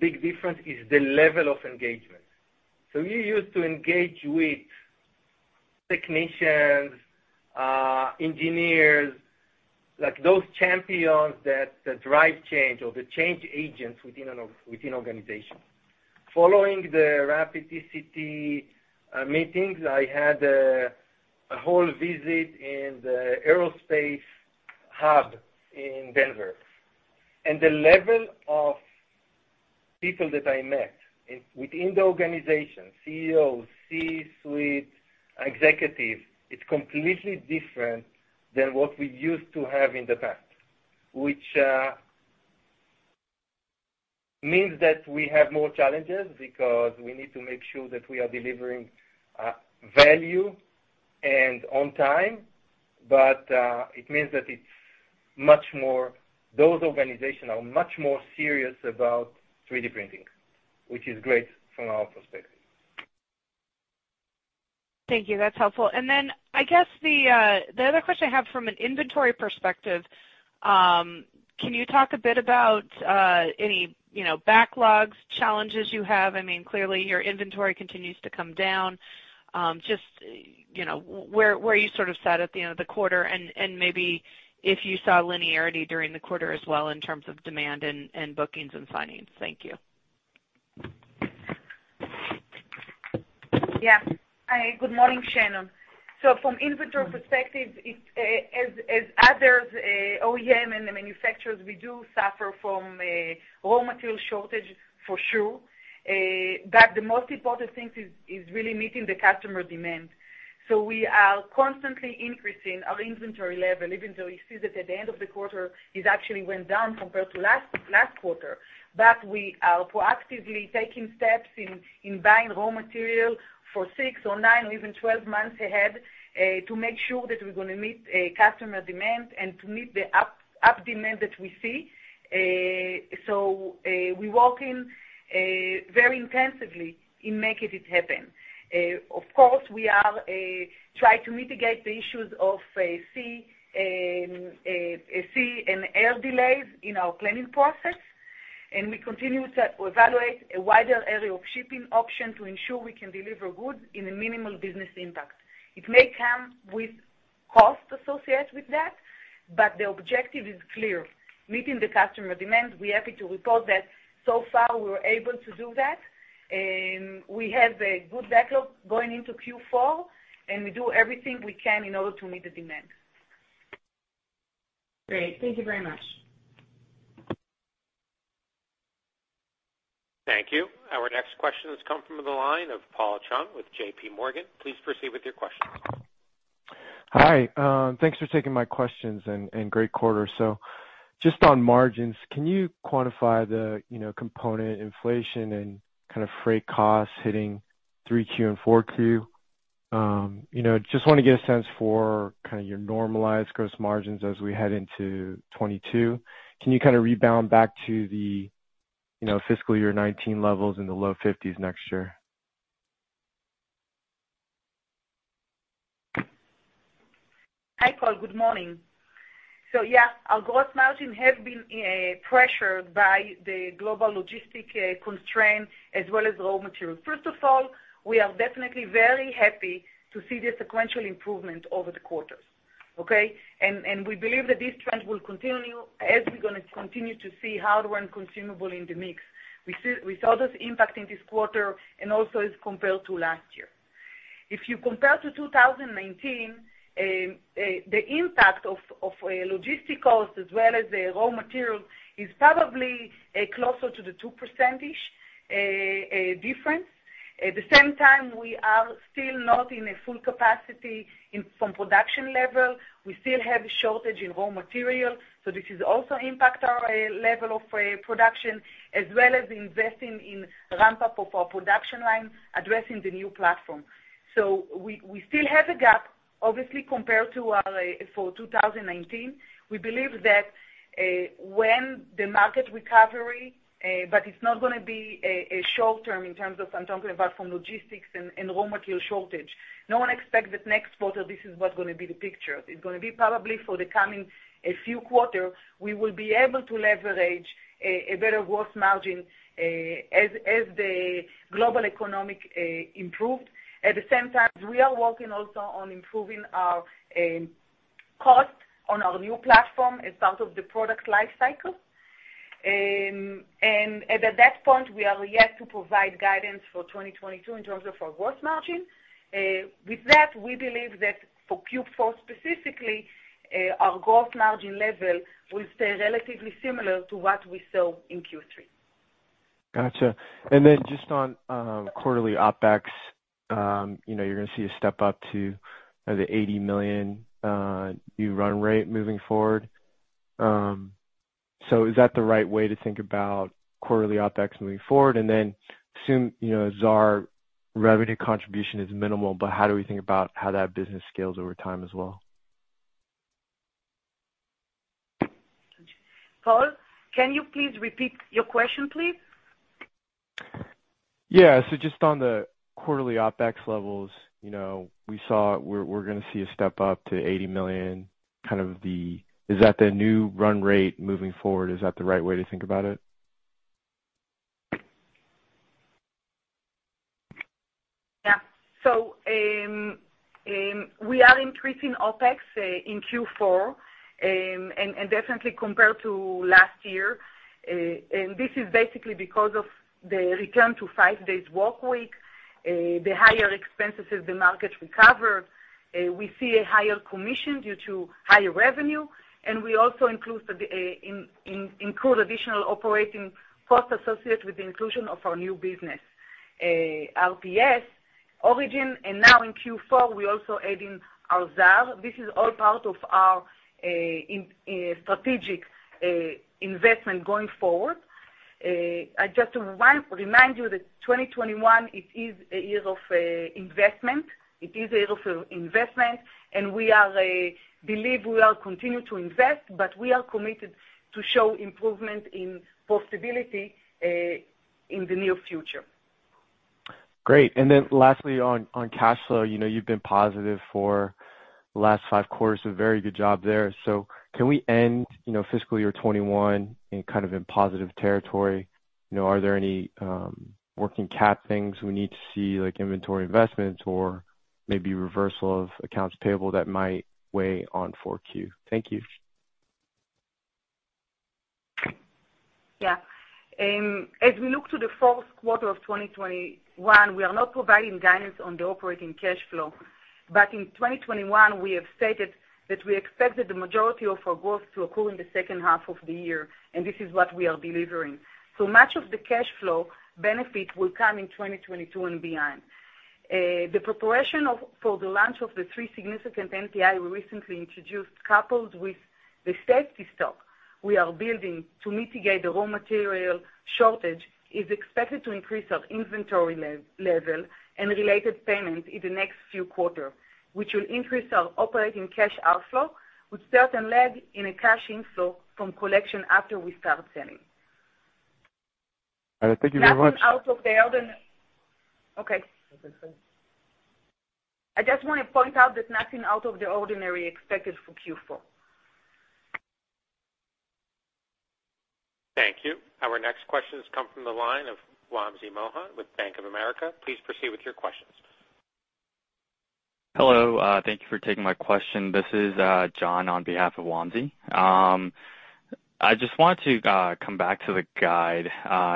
big difference is the level of engagement. We used to engage with technicians, engineers, like those champions that drive change or the change agents within organizations. Following the RAPID + TCT meetings, I had a whole visit in the aerospace hub in Denver. The level of people that I met within the organization, Chief Executive Officers, C-suite executives, it's completely different than what we used to have in the past, which means that we have more challenges because we need to make sure that we are delivering value and on time. It means that those organizations are much more serious about 3D printing, which is great from our perspective. Thank you. That's helpful. I guess the other question I have from an inventory perspective, can you talk a bit about any, you know, backlogs, challenges you have? I mean, clearly, your inventory continues to come down. Just, you know, where you sort of sat at the end of the quarter and maybe if you saw linearity during the quarter as well in terms of demand and bookings and signings. Thank you. Yeah. Good morning, Shannon. From inventory perspective, it's as others, OEM and the manufacturers, we do suffer from raw material shortage, for sure. The most important thing is really meeting the customer demand. We are constantly increasing our inventory level, even though you see that at the end of the quarter, it actually went down compared to last quarter. We are proactively taking steps in buying raw material for six or nine or even 12 months ahead, to make sure that we're gonna meet customer demand and to meet the up demand that we see. We're working very intensively in making it happen. Of course, we are trying to mitigate the issues with sea and air delays in our planning process, and we continue to evaluate a wider area of shipping options to ensure we can deliver goods with minimal business impact. It may come with costs associated with that, but the objective is clear, meeting the customer demand. We're happy to report that so far we were able to do that, and we have a good backlog going into Q4, and we do everything we can in order to meet the demand. Great. Thank you very much. Thank you. Our next question has come from the line of [Paul Chung] with JPMorgan. Please proceed with your question. Hi, thanks for taking my questions and great quarter. Just on margins, can you quantify the component inflation and kind of freight costs hitting 3Q and 4Q? Just wanna get a sense for kind of your normalized gross margins as we head into 2022. Can you kind of rebound back to the fiscal year 2019 levels in the low 50s next year? Hi, Paul. Good morning. Yeah, our gross margin has been pressured by the global logistics constraints as well as raw materials. First of all, we are definitely very happy to see the sequential improvement over the quarters, okay? We believe that this trend will continue as we're gonna continue to see hardware and consumable in the mix. We saw this impact in this quarter and also as compared to last year. If you compare to 2019, the impact of logistic costs as well as the raw material is probably closer to the 2% difference. At the same time, we are still not in a full capacity from production level. We still have a shortage in raw materials, so this also impacts our level of production as well as investing in ramp-up of our production line, addressing the new platform. We still have a gap, obviously, compared to our for 2019. We believe that when the market recovers, but it's not gonna be a short term in terms of, I'm talking about from logistics and raw material shortage. No one expects that next quarter. This is what's gonna be the picture. It's gonna be probably for the coming few quarters. We will be able to leverage a better gross margin as the global economy improved. At the same time, we are working also on improving our cost on our new platform as part of the product life cycle. At that point, we are yet to provide guidance for 2022 in terms of our gross margin. With that, we believe that for Q4 specifically, our gross margin level will stay relatively similar to what we saw in Q3. Gotcha. Just on quarterly OpEx, you know, you're gonna see a step up to the $80 million new run rate moving forward. Is that the right way to think about quarterly OpEx moving forward? Assume, you know, Xaar revenue contribution is minimal, but how do we think about how that business scales over time as well? Paul, can you please repeat your question? Yeah. Just on the quarterly OpEx levels, you know, we're gonna see a step up to $80 million. Is that the new run rate moving forward? Is that the right way to think about it? Yeah. We are increasing OpEx in Q4 and definitely compared to last year. This is basically because of the return to five-day workweek, the higher expenses as the market recovers. We see a higher commission due to higher revenue, and we also include additional operating costs associated with the inclusion of our new business, RPS Origin. Now in Q4, we're also adding our Xaar. This is all part of our strategic investment going forward. I just want to remind you that 2021 it is a year of investment. It is a year of investment, and we believe we are continuing to invest, but we are committed to showing improvement in profitability in the near future. Great. Lastly on cash flow, you know, you've been positive for the last five quarters, a very good job there. Can we end, you know, fiscal year 2021 in kind of positive territory? You know, are there any working cap things we need to see, like inventory investments or maybe reversal of accounts payable that might weigh on Q4? Thank you. Yeah, as we look to the fourth quarter of 2021, we are not providing guidance on the operating cash flow. In 2021, we have stated that we expected the majority of our growth to occur in the second half of the year, and this is what we are delivering. Much of the cash flow benefit will come in 2022 and beyond. The preparation for the launch of the three significant NPI we recently introduced, coupled with the safety stock we are building to mitigate the raw material shortage, is expected to increase our inventory level and related payments in the next few quarters, which will increase our operating cash outflow, with certain lag in a cash inflow from collection after we start selling. Thank you very much. Okay. I just wanna point out that nothing out of the ordinary is expected for Q4. Thank you. Our next question has come from the line of Wamsi Mohan with Bank of America. Please proceed with your questions. Hello. Thank you for taking my question. This is John on behalf of Wamsi. I just want to come back to the guide.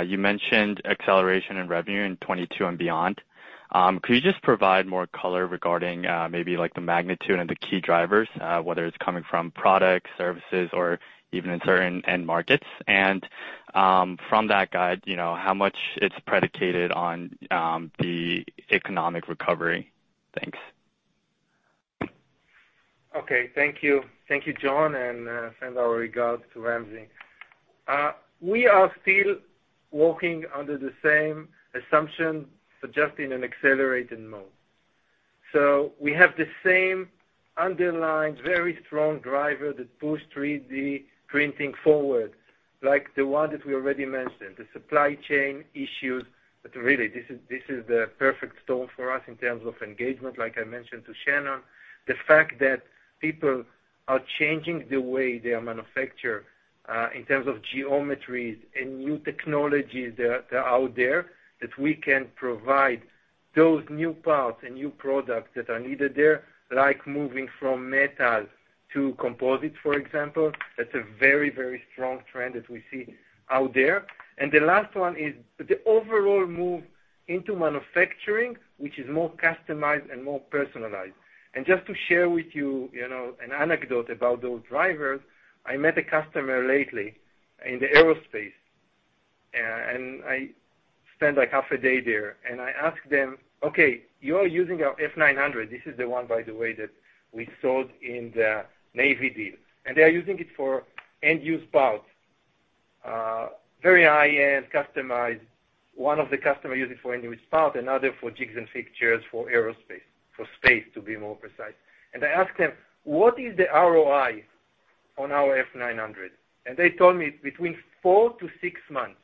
You mentioned acceleration in revenue in 2022 and beyond. Could you just provide more color regarding maybe like the magnitude and the key drivers whether it's coming from products, services, or even in certain end markets? From that guide, you know, how much it's predicated on the economic recovery? Thanks. Okay. Thank you. Thank you, John, and send our regards to Wamsi. We are still working under the same assumption, but just in an accelerated mode. We have the same underlying, very strong driver that pushed 3D printing forward, like the one that we already mentioned, the supply chain issues. Really, this is the perfect storm for us in terms of engagement, like I mentioned to Shannon. The fact that people are changing the way they are manufactured in terms of geometries and new technologies that are out there, that we can provide those new parts and new products that are needed there, like moving from metal to composite, for example. That's a very, very strong trend that we see out there. The last one is the overall move into manufacturing, which is more customized and more personalized. Just to share with you know, an anecdote about those drivers. I met a customer lately in the aerospace, and I spent like half a day there, and I asked them, "Okay, you are using our F900." This is the one, by the way, that we sold in the Navy deal. They are using it for end-use parts, very high-end, customized. One of the customer use it for end-use part, another for jigs and fixtures for aerospace, for space, to be more precise. I asked them, "What is the ROI on our F900?" They told me between 4-6 months.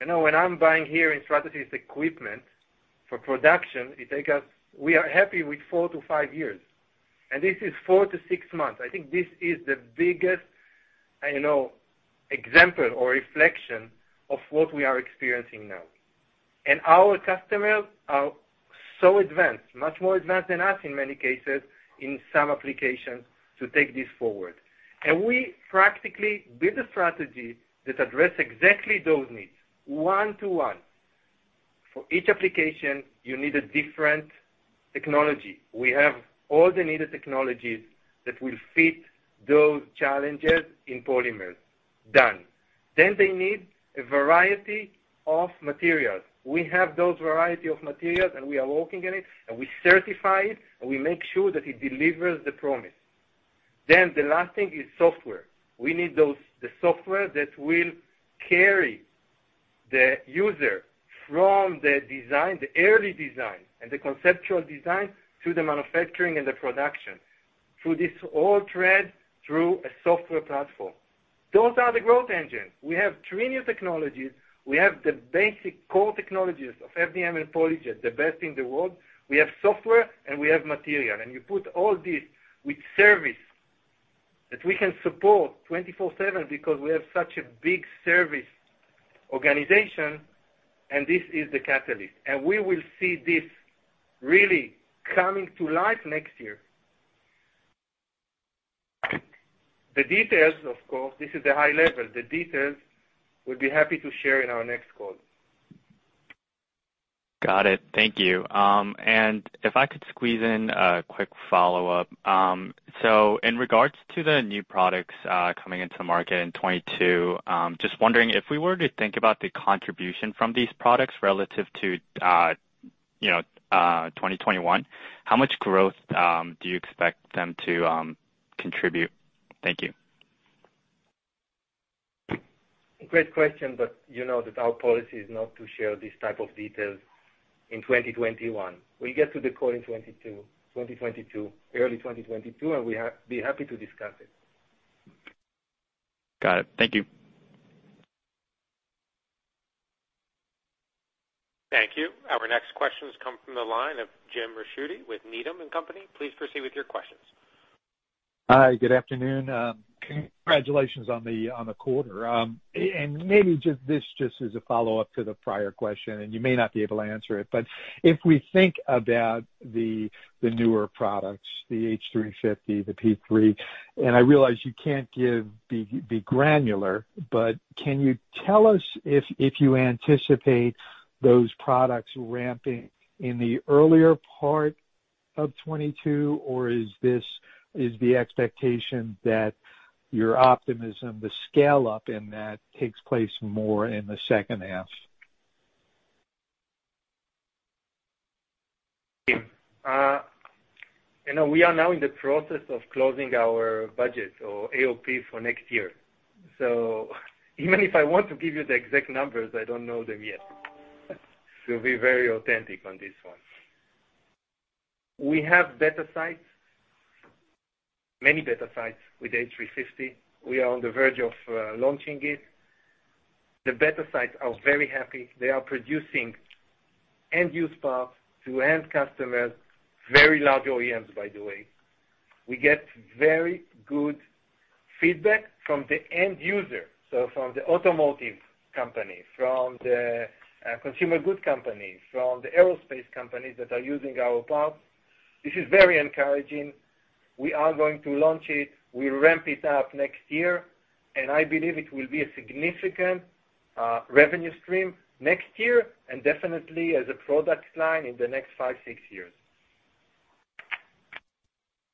You know, when I'm buying here in Stratasys equipment for production, we are happy with 4-5 years. This is 4-6 months. I think this is the biggest, you know, example or reflection of what we are experiencing now. Our customers are so advanced, much more advanced than us in many cases, in some applications, to take this forward. We practically build a strategy that address exactly those needs one to one. For each application, you need a different technology. We have all the needed technologies that will fit those challenges in polymers. Done. They need a variety of materials. We have those variety of materials, and we are working on it, and we certify it, and we make sure that it delivers the promise. The last thing is software. We need the software that will carry the user from the design, the early design and the conceptual design, to the manufacturing and the production, through this whole thread, through a software platform. Those are the growth engines. We have three new technologies. We have the basic core technologies of FDM and PolyJet, the best in the world. We have software and we have material. You put all this with service that we can support 24/7 because we have such a big service organization, and this is the catalyst. We will see this really coming to life next year. The details, of course, this is the high level. The details we'll be happy to share in our next call. Got it. Thank you. If I could squeeze in a quick follow-up. In regards to the new products coming into market in 2022, just wondering if we were to think about the contribution from these products relative to, you know, 2021, how much growth do you expect them to contribute? Thank you. Great question, but you know that our policy is not to share these type of details in 2021. We get to the call in early 2022, and we'll be happy to discuss it. Got it. Thank you. Thank you. Our next question has come from the line of James Ricchiuti with Needham & Company. Please proceed with your questions. Hi, good afternoon. Congratulations on the quarter. Maybe just this as a follow-up to the prior question, and you may not be able to answer it, but if we think about the newer products, the H350, the P3, and I realize you can't be granular, but can you tell us if you anticipate those products ramping in the earlier part of 2022, or is the expectation that your optimism to scale up in that takes place more in the second half? You know, we are now in the process of closing our budget or AOP for next year. So even if I want to give you the exact numbers, I don't know them yet. To be very authentic on this one. We have beta sites, many beta sites with H350. We are on the verge of launching it. The beta sites are very happy. They are producing end use parts to end customers, very large OEMs, by the way. We get very good feedback from the end user, so from the automotive company, from the consumer goods company, from the aerospace companies that are using our parts. This is very encouraging. We are going to launch it. We ramp it up next year, and I believe it will be a significant revenue stream next year and definitely as a product line in the next five, six years.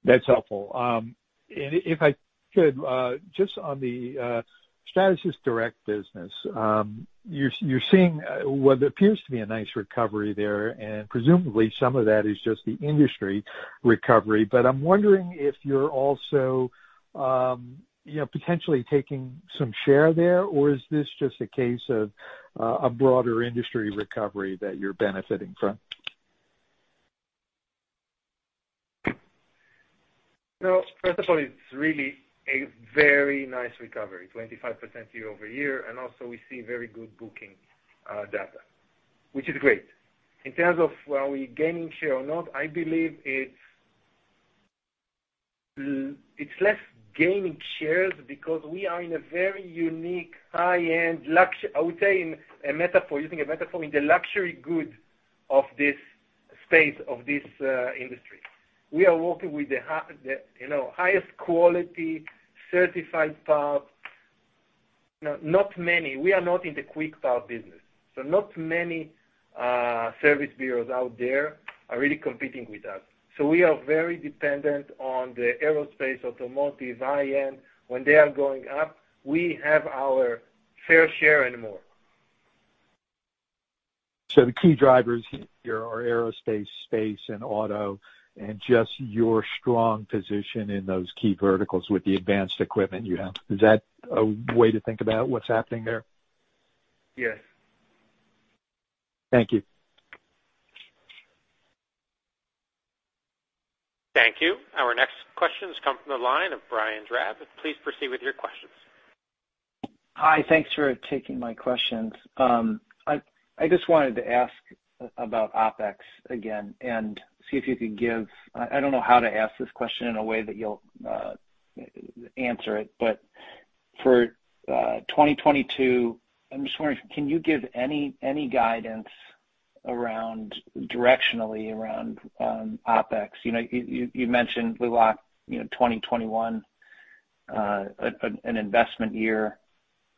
That's helpful. And if I could just on the Stratasys Direct business, you're seeing what appears to be a nice recovery there, and presumably some of that is just the industry recovery. I'm wondering if you're also, you know, potentially taking some share there, or is this just a case of a broader industry recovery that you're benefiting from? No, first of all, it's really a very nice recovery, 25% year-over-year. Also we see very good booking data, which is great. In terms of are we gaining share or not, I believe it's less gaining shares because we are in a very unique high-end. I would say in a metaphor, using a metaphor, in the luxury goods of this space, of this industry. We are working with the, you know, highest quality certified parts. Not many. We are not in the quick part business, so not many service bureaus out there are really competing with us. We are very dependent on the aerospace, automotive, high-end. When they are going up, we have our fair share and more. The key drivers here are aerospace, space and auto, and just your strong position in those key verticals with the advanced equipment you have. Is that a way to think about what's happening there? Yes. Thank you. Thank you. Our next question comes from the line of Brian Drab. Please proceed with your questions. Hi. Thanks for taking my questions. I just wanted to ask about OpEx again. I don't know how to ask this question in a way that you'll answer it, but for 2022, I'm just wondering, can you give any guidance around, directionally around, OpEx? You know, you mentioned we locked, you know, 2021, an investment year.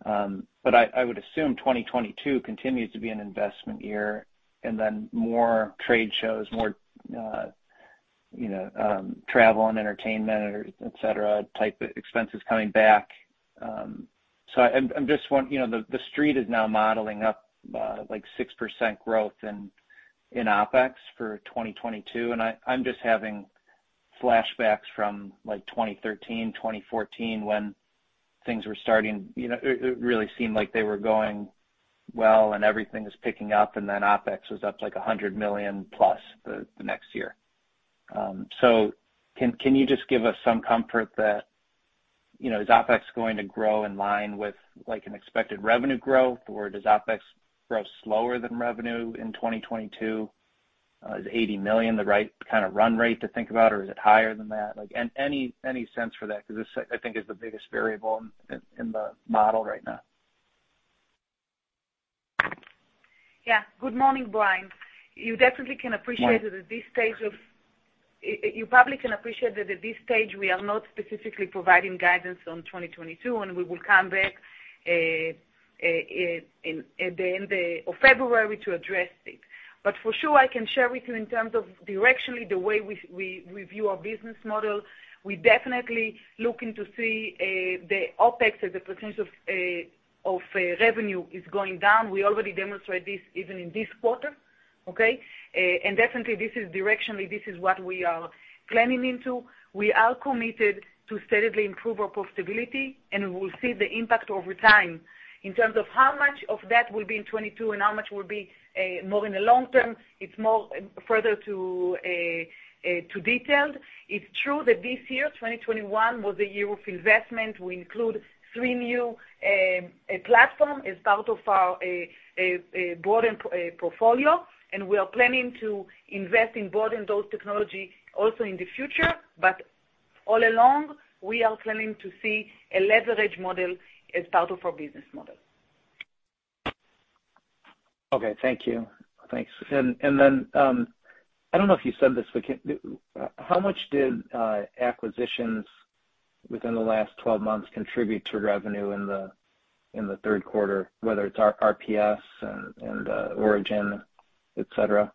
I would assume 2022 continues to be an investment year and then more trade shows, more you know travel and entertainment, et cetera, type expenses coming back. I'm just want... You know, the street is now modeling up like 6% growth in OpEx for 2022, and I'm just having flashbacks from like 2013, 2014 when things were starting, you know, it really seemed like they were going well and everything was picking up and then OpEx was up like $100 million plus the next year. Can you just give us some comfort that, you know, is OpEx going to grow in line with like an expected revenue growth, or does OpEx grow slower than revenue in 2022? Is $80 million the right kind of run rate to think about or is it higher than that? Like, any sense for that? Because this, I think, is the biggest variable in the model right now. Yeah. Good morning, Brian. You definitely can appreciate that at this stage of Morning. You probably can appreciate that at this stage we are not specifically providing guidance on 2022, and we will come back at the end of February to address it. For sure, I can share with you in terms of directionally the way we view our business model. We definitely looking to see the OpEx as a percentage of revenue is going down. We already demonstrate this even in this quarter, okay? Definitely this is directionally, this is what we are planning into. We are committed to steadily improve our profitability, and we will see the impact over time. In terms of how much of that will be in 2022 and how much will be more in the long term, it's more further to detail. It's true that this year, 2021, was a year of investment. We include three new platform as part of our broad portfolio, and we are planning to invest in broaden those technology also in the future. All along, we are planning to see a leverage model as part of our business model. Okay. Thank you. Thanks. Then, I don't know if you said this, but how much did acquisitions within the last 12 months contribute to revenue in the third quarter, whether it's RPS and Origin, et cetera.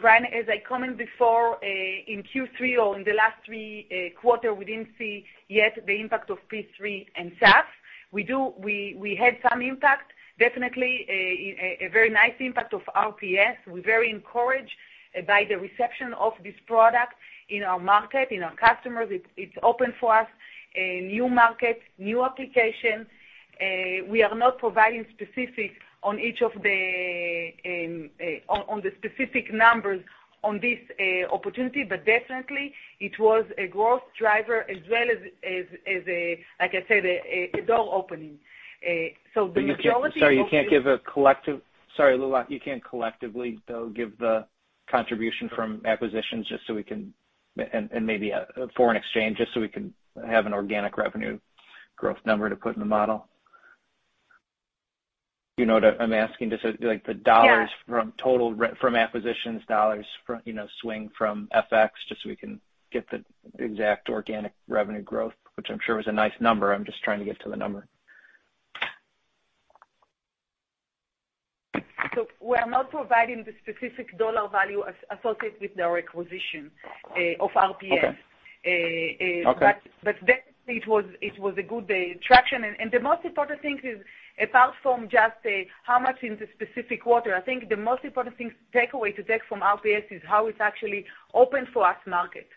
Brian, as I commented before, in Q3 or in the last three quarters, we didn't see yet the impact of P3 and SAF. We had some impact, definitely a very nice impact of RPS. We're very encouraged by the reception of this product in our market, in our customers. It's open for us new markets, new applications. We are not providing specifics on each of the specific numbers on this opportunity, but definitely it was a growth driver as well as, like I said, a door opening. The methodology of- Sorry, Lilach, you can't collectively though give the contribution from acquisitions just so we can, and maybe a foreign exchange, just so we can have an organic revenue growth number to put in the model. You know what I'm asking, just like the dollars- Yeah. from acquisitions dollars from, you know, swing from FX, just so we can get the exact organic revenue growth, which I'm sure was a nice number. I'm just trying to get to the number. We are not providing the specific dollar value as associated with our acquisition of RPS. Okay. Uh, uh- Okay. Definitely it was a good traction. The most important thing is, apart from just how much in the specific quarter, I think the most important thing takeaway to take from RPS is how it actually opened for us market.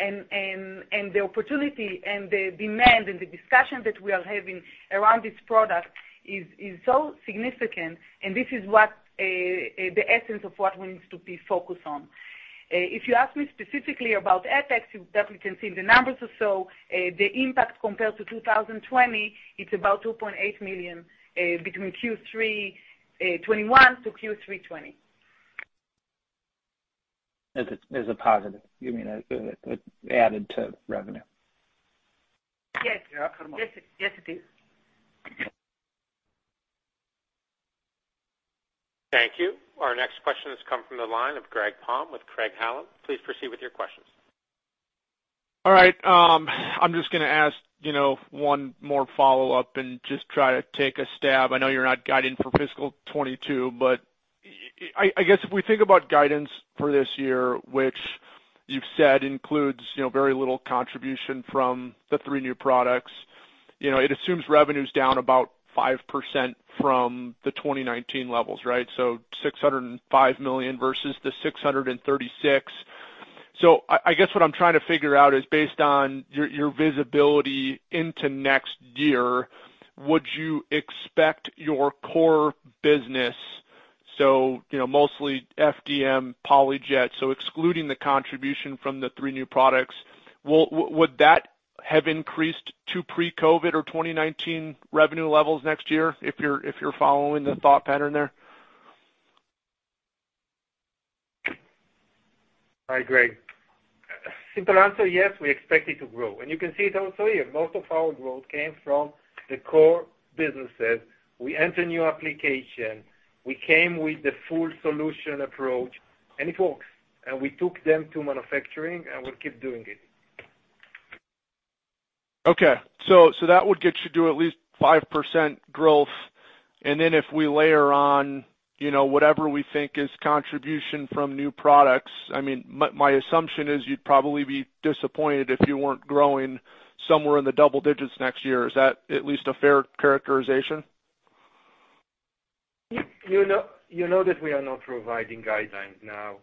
The opportunity and the demand and the discussion that we are having around this product is so significant, and this is what the essence of what we need to be focused on. If you ask me specifically about FX, you definitely can see the numbers or so the impact compared to 2020, it's about $2.8 million between Q3 2020 to Q3 2020. As a positive, you mean added to revenue? Yes, it is. Thank you. Our next question has come from the line of Greg Palm with Craig-Hallum. Please proceed with your questions. All right, I'm just gonna ask, you know, one more follow-up and just try to take a stab. I know you're not guiding for fiscal 2022, but I guess if we think about guidance for this year, which you've said includes, you know, very little contribution from the three new products, you know, it assumes revenue's down about 5% from the 2019 levels, right? So $605 million versus the $636. So I guess what I'm trying to figure out is based on your visibility into next year, would you expect your core business, so, you know, mostly FDM, PolyJet, so excluding the contribution from the three new products, would that have increased to pre-COVID or 2019 revenue levels next year, if you're following the thought pattern there? Hi, Greg. Simple answer, yes, we expect it to grow. You can see it also here. Most of our growth came from the core businesses. We enter new application. We came with the full solution approach, and it works. We took them to manufacturing, and we'll keep doing it. That would get you to at least 5% growth, and then if we layer on, you know, whatever we think is contribution from new products, I mean, my assumption is you'd probably be disappointed if you weren't growing somewhere in the double digits next year. Is that at least a fair characterization? You know that we are not providing guidance now.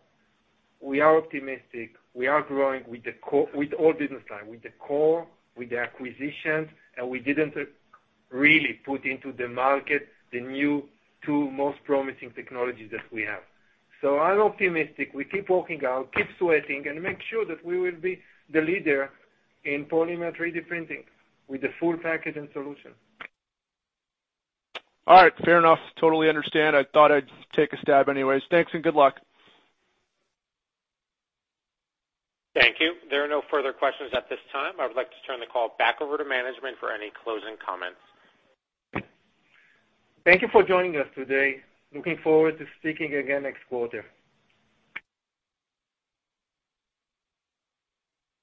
We are optimistic. We are growing with all business lines, with the core, with the acquisitions, and we didn't really put into the market the new two most promising technologies that we have. I'm optimistic. We keep working out, keep sweating, and make sure that we will be the leader in polymer 3D printing with the full package and solution. All right, fair enough. Totally understand. I thought I'd take a stab anyways. Thanks and good luck. Thank you. There are no further questions at this time. I would like to turn the call back over to management for any closing comments. Thank you for joining us today. Looking forward to speaking again next quarter.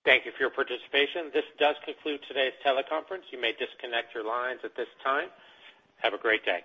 Thank you for your participation. This does conclude today's teleconference. You may disconnect your lines at this time. Have a great day.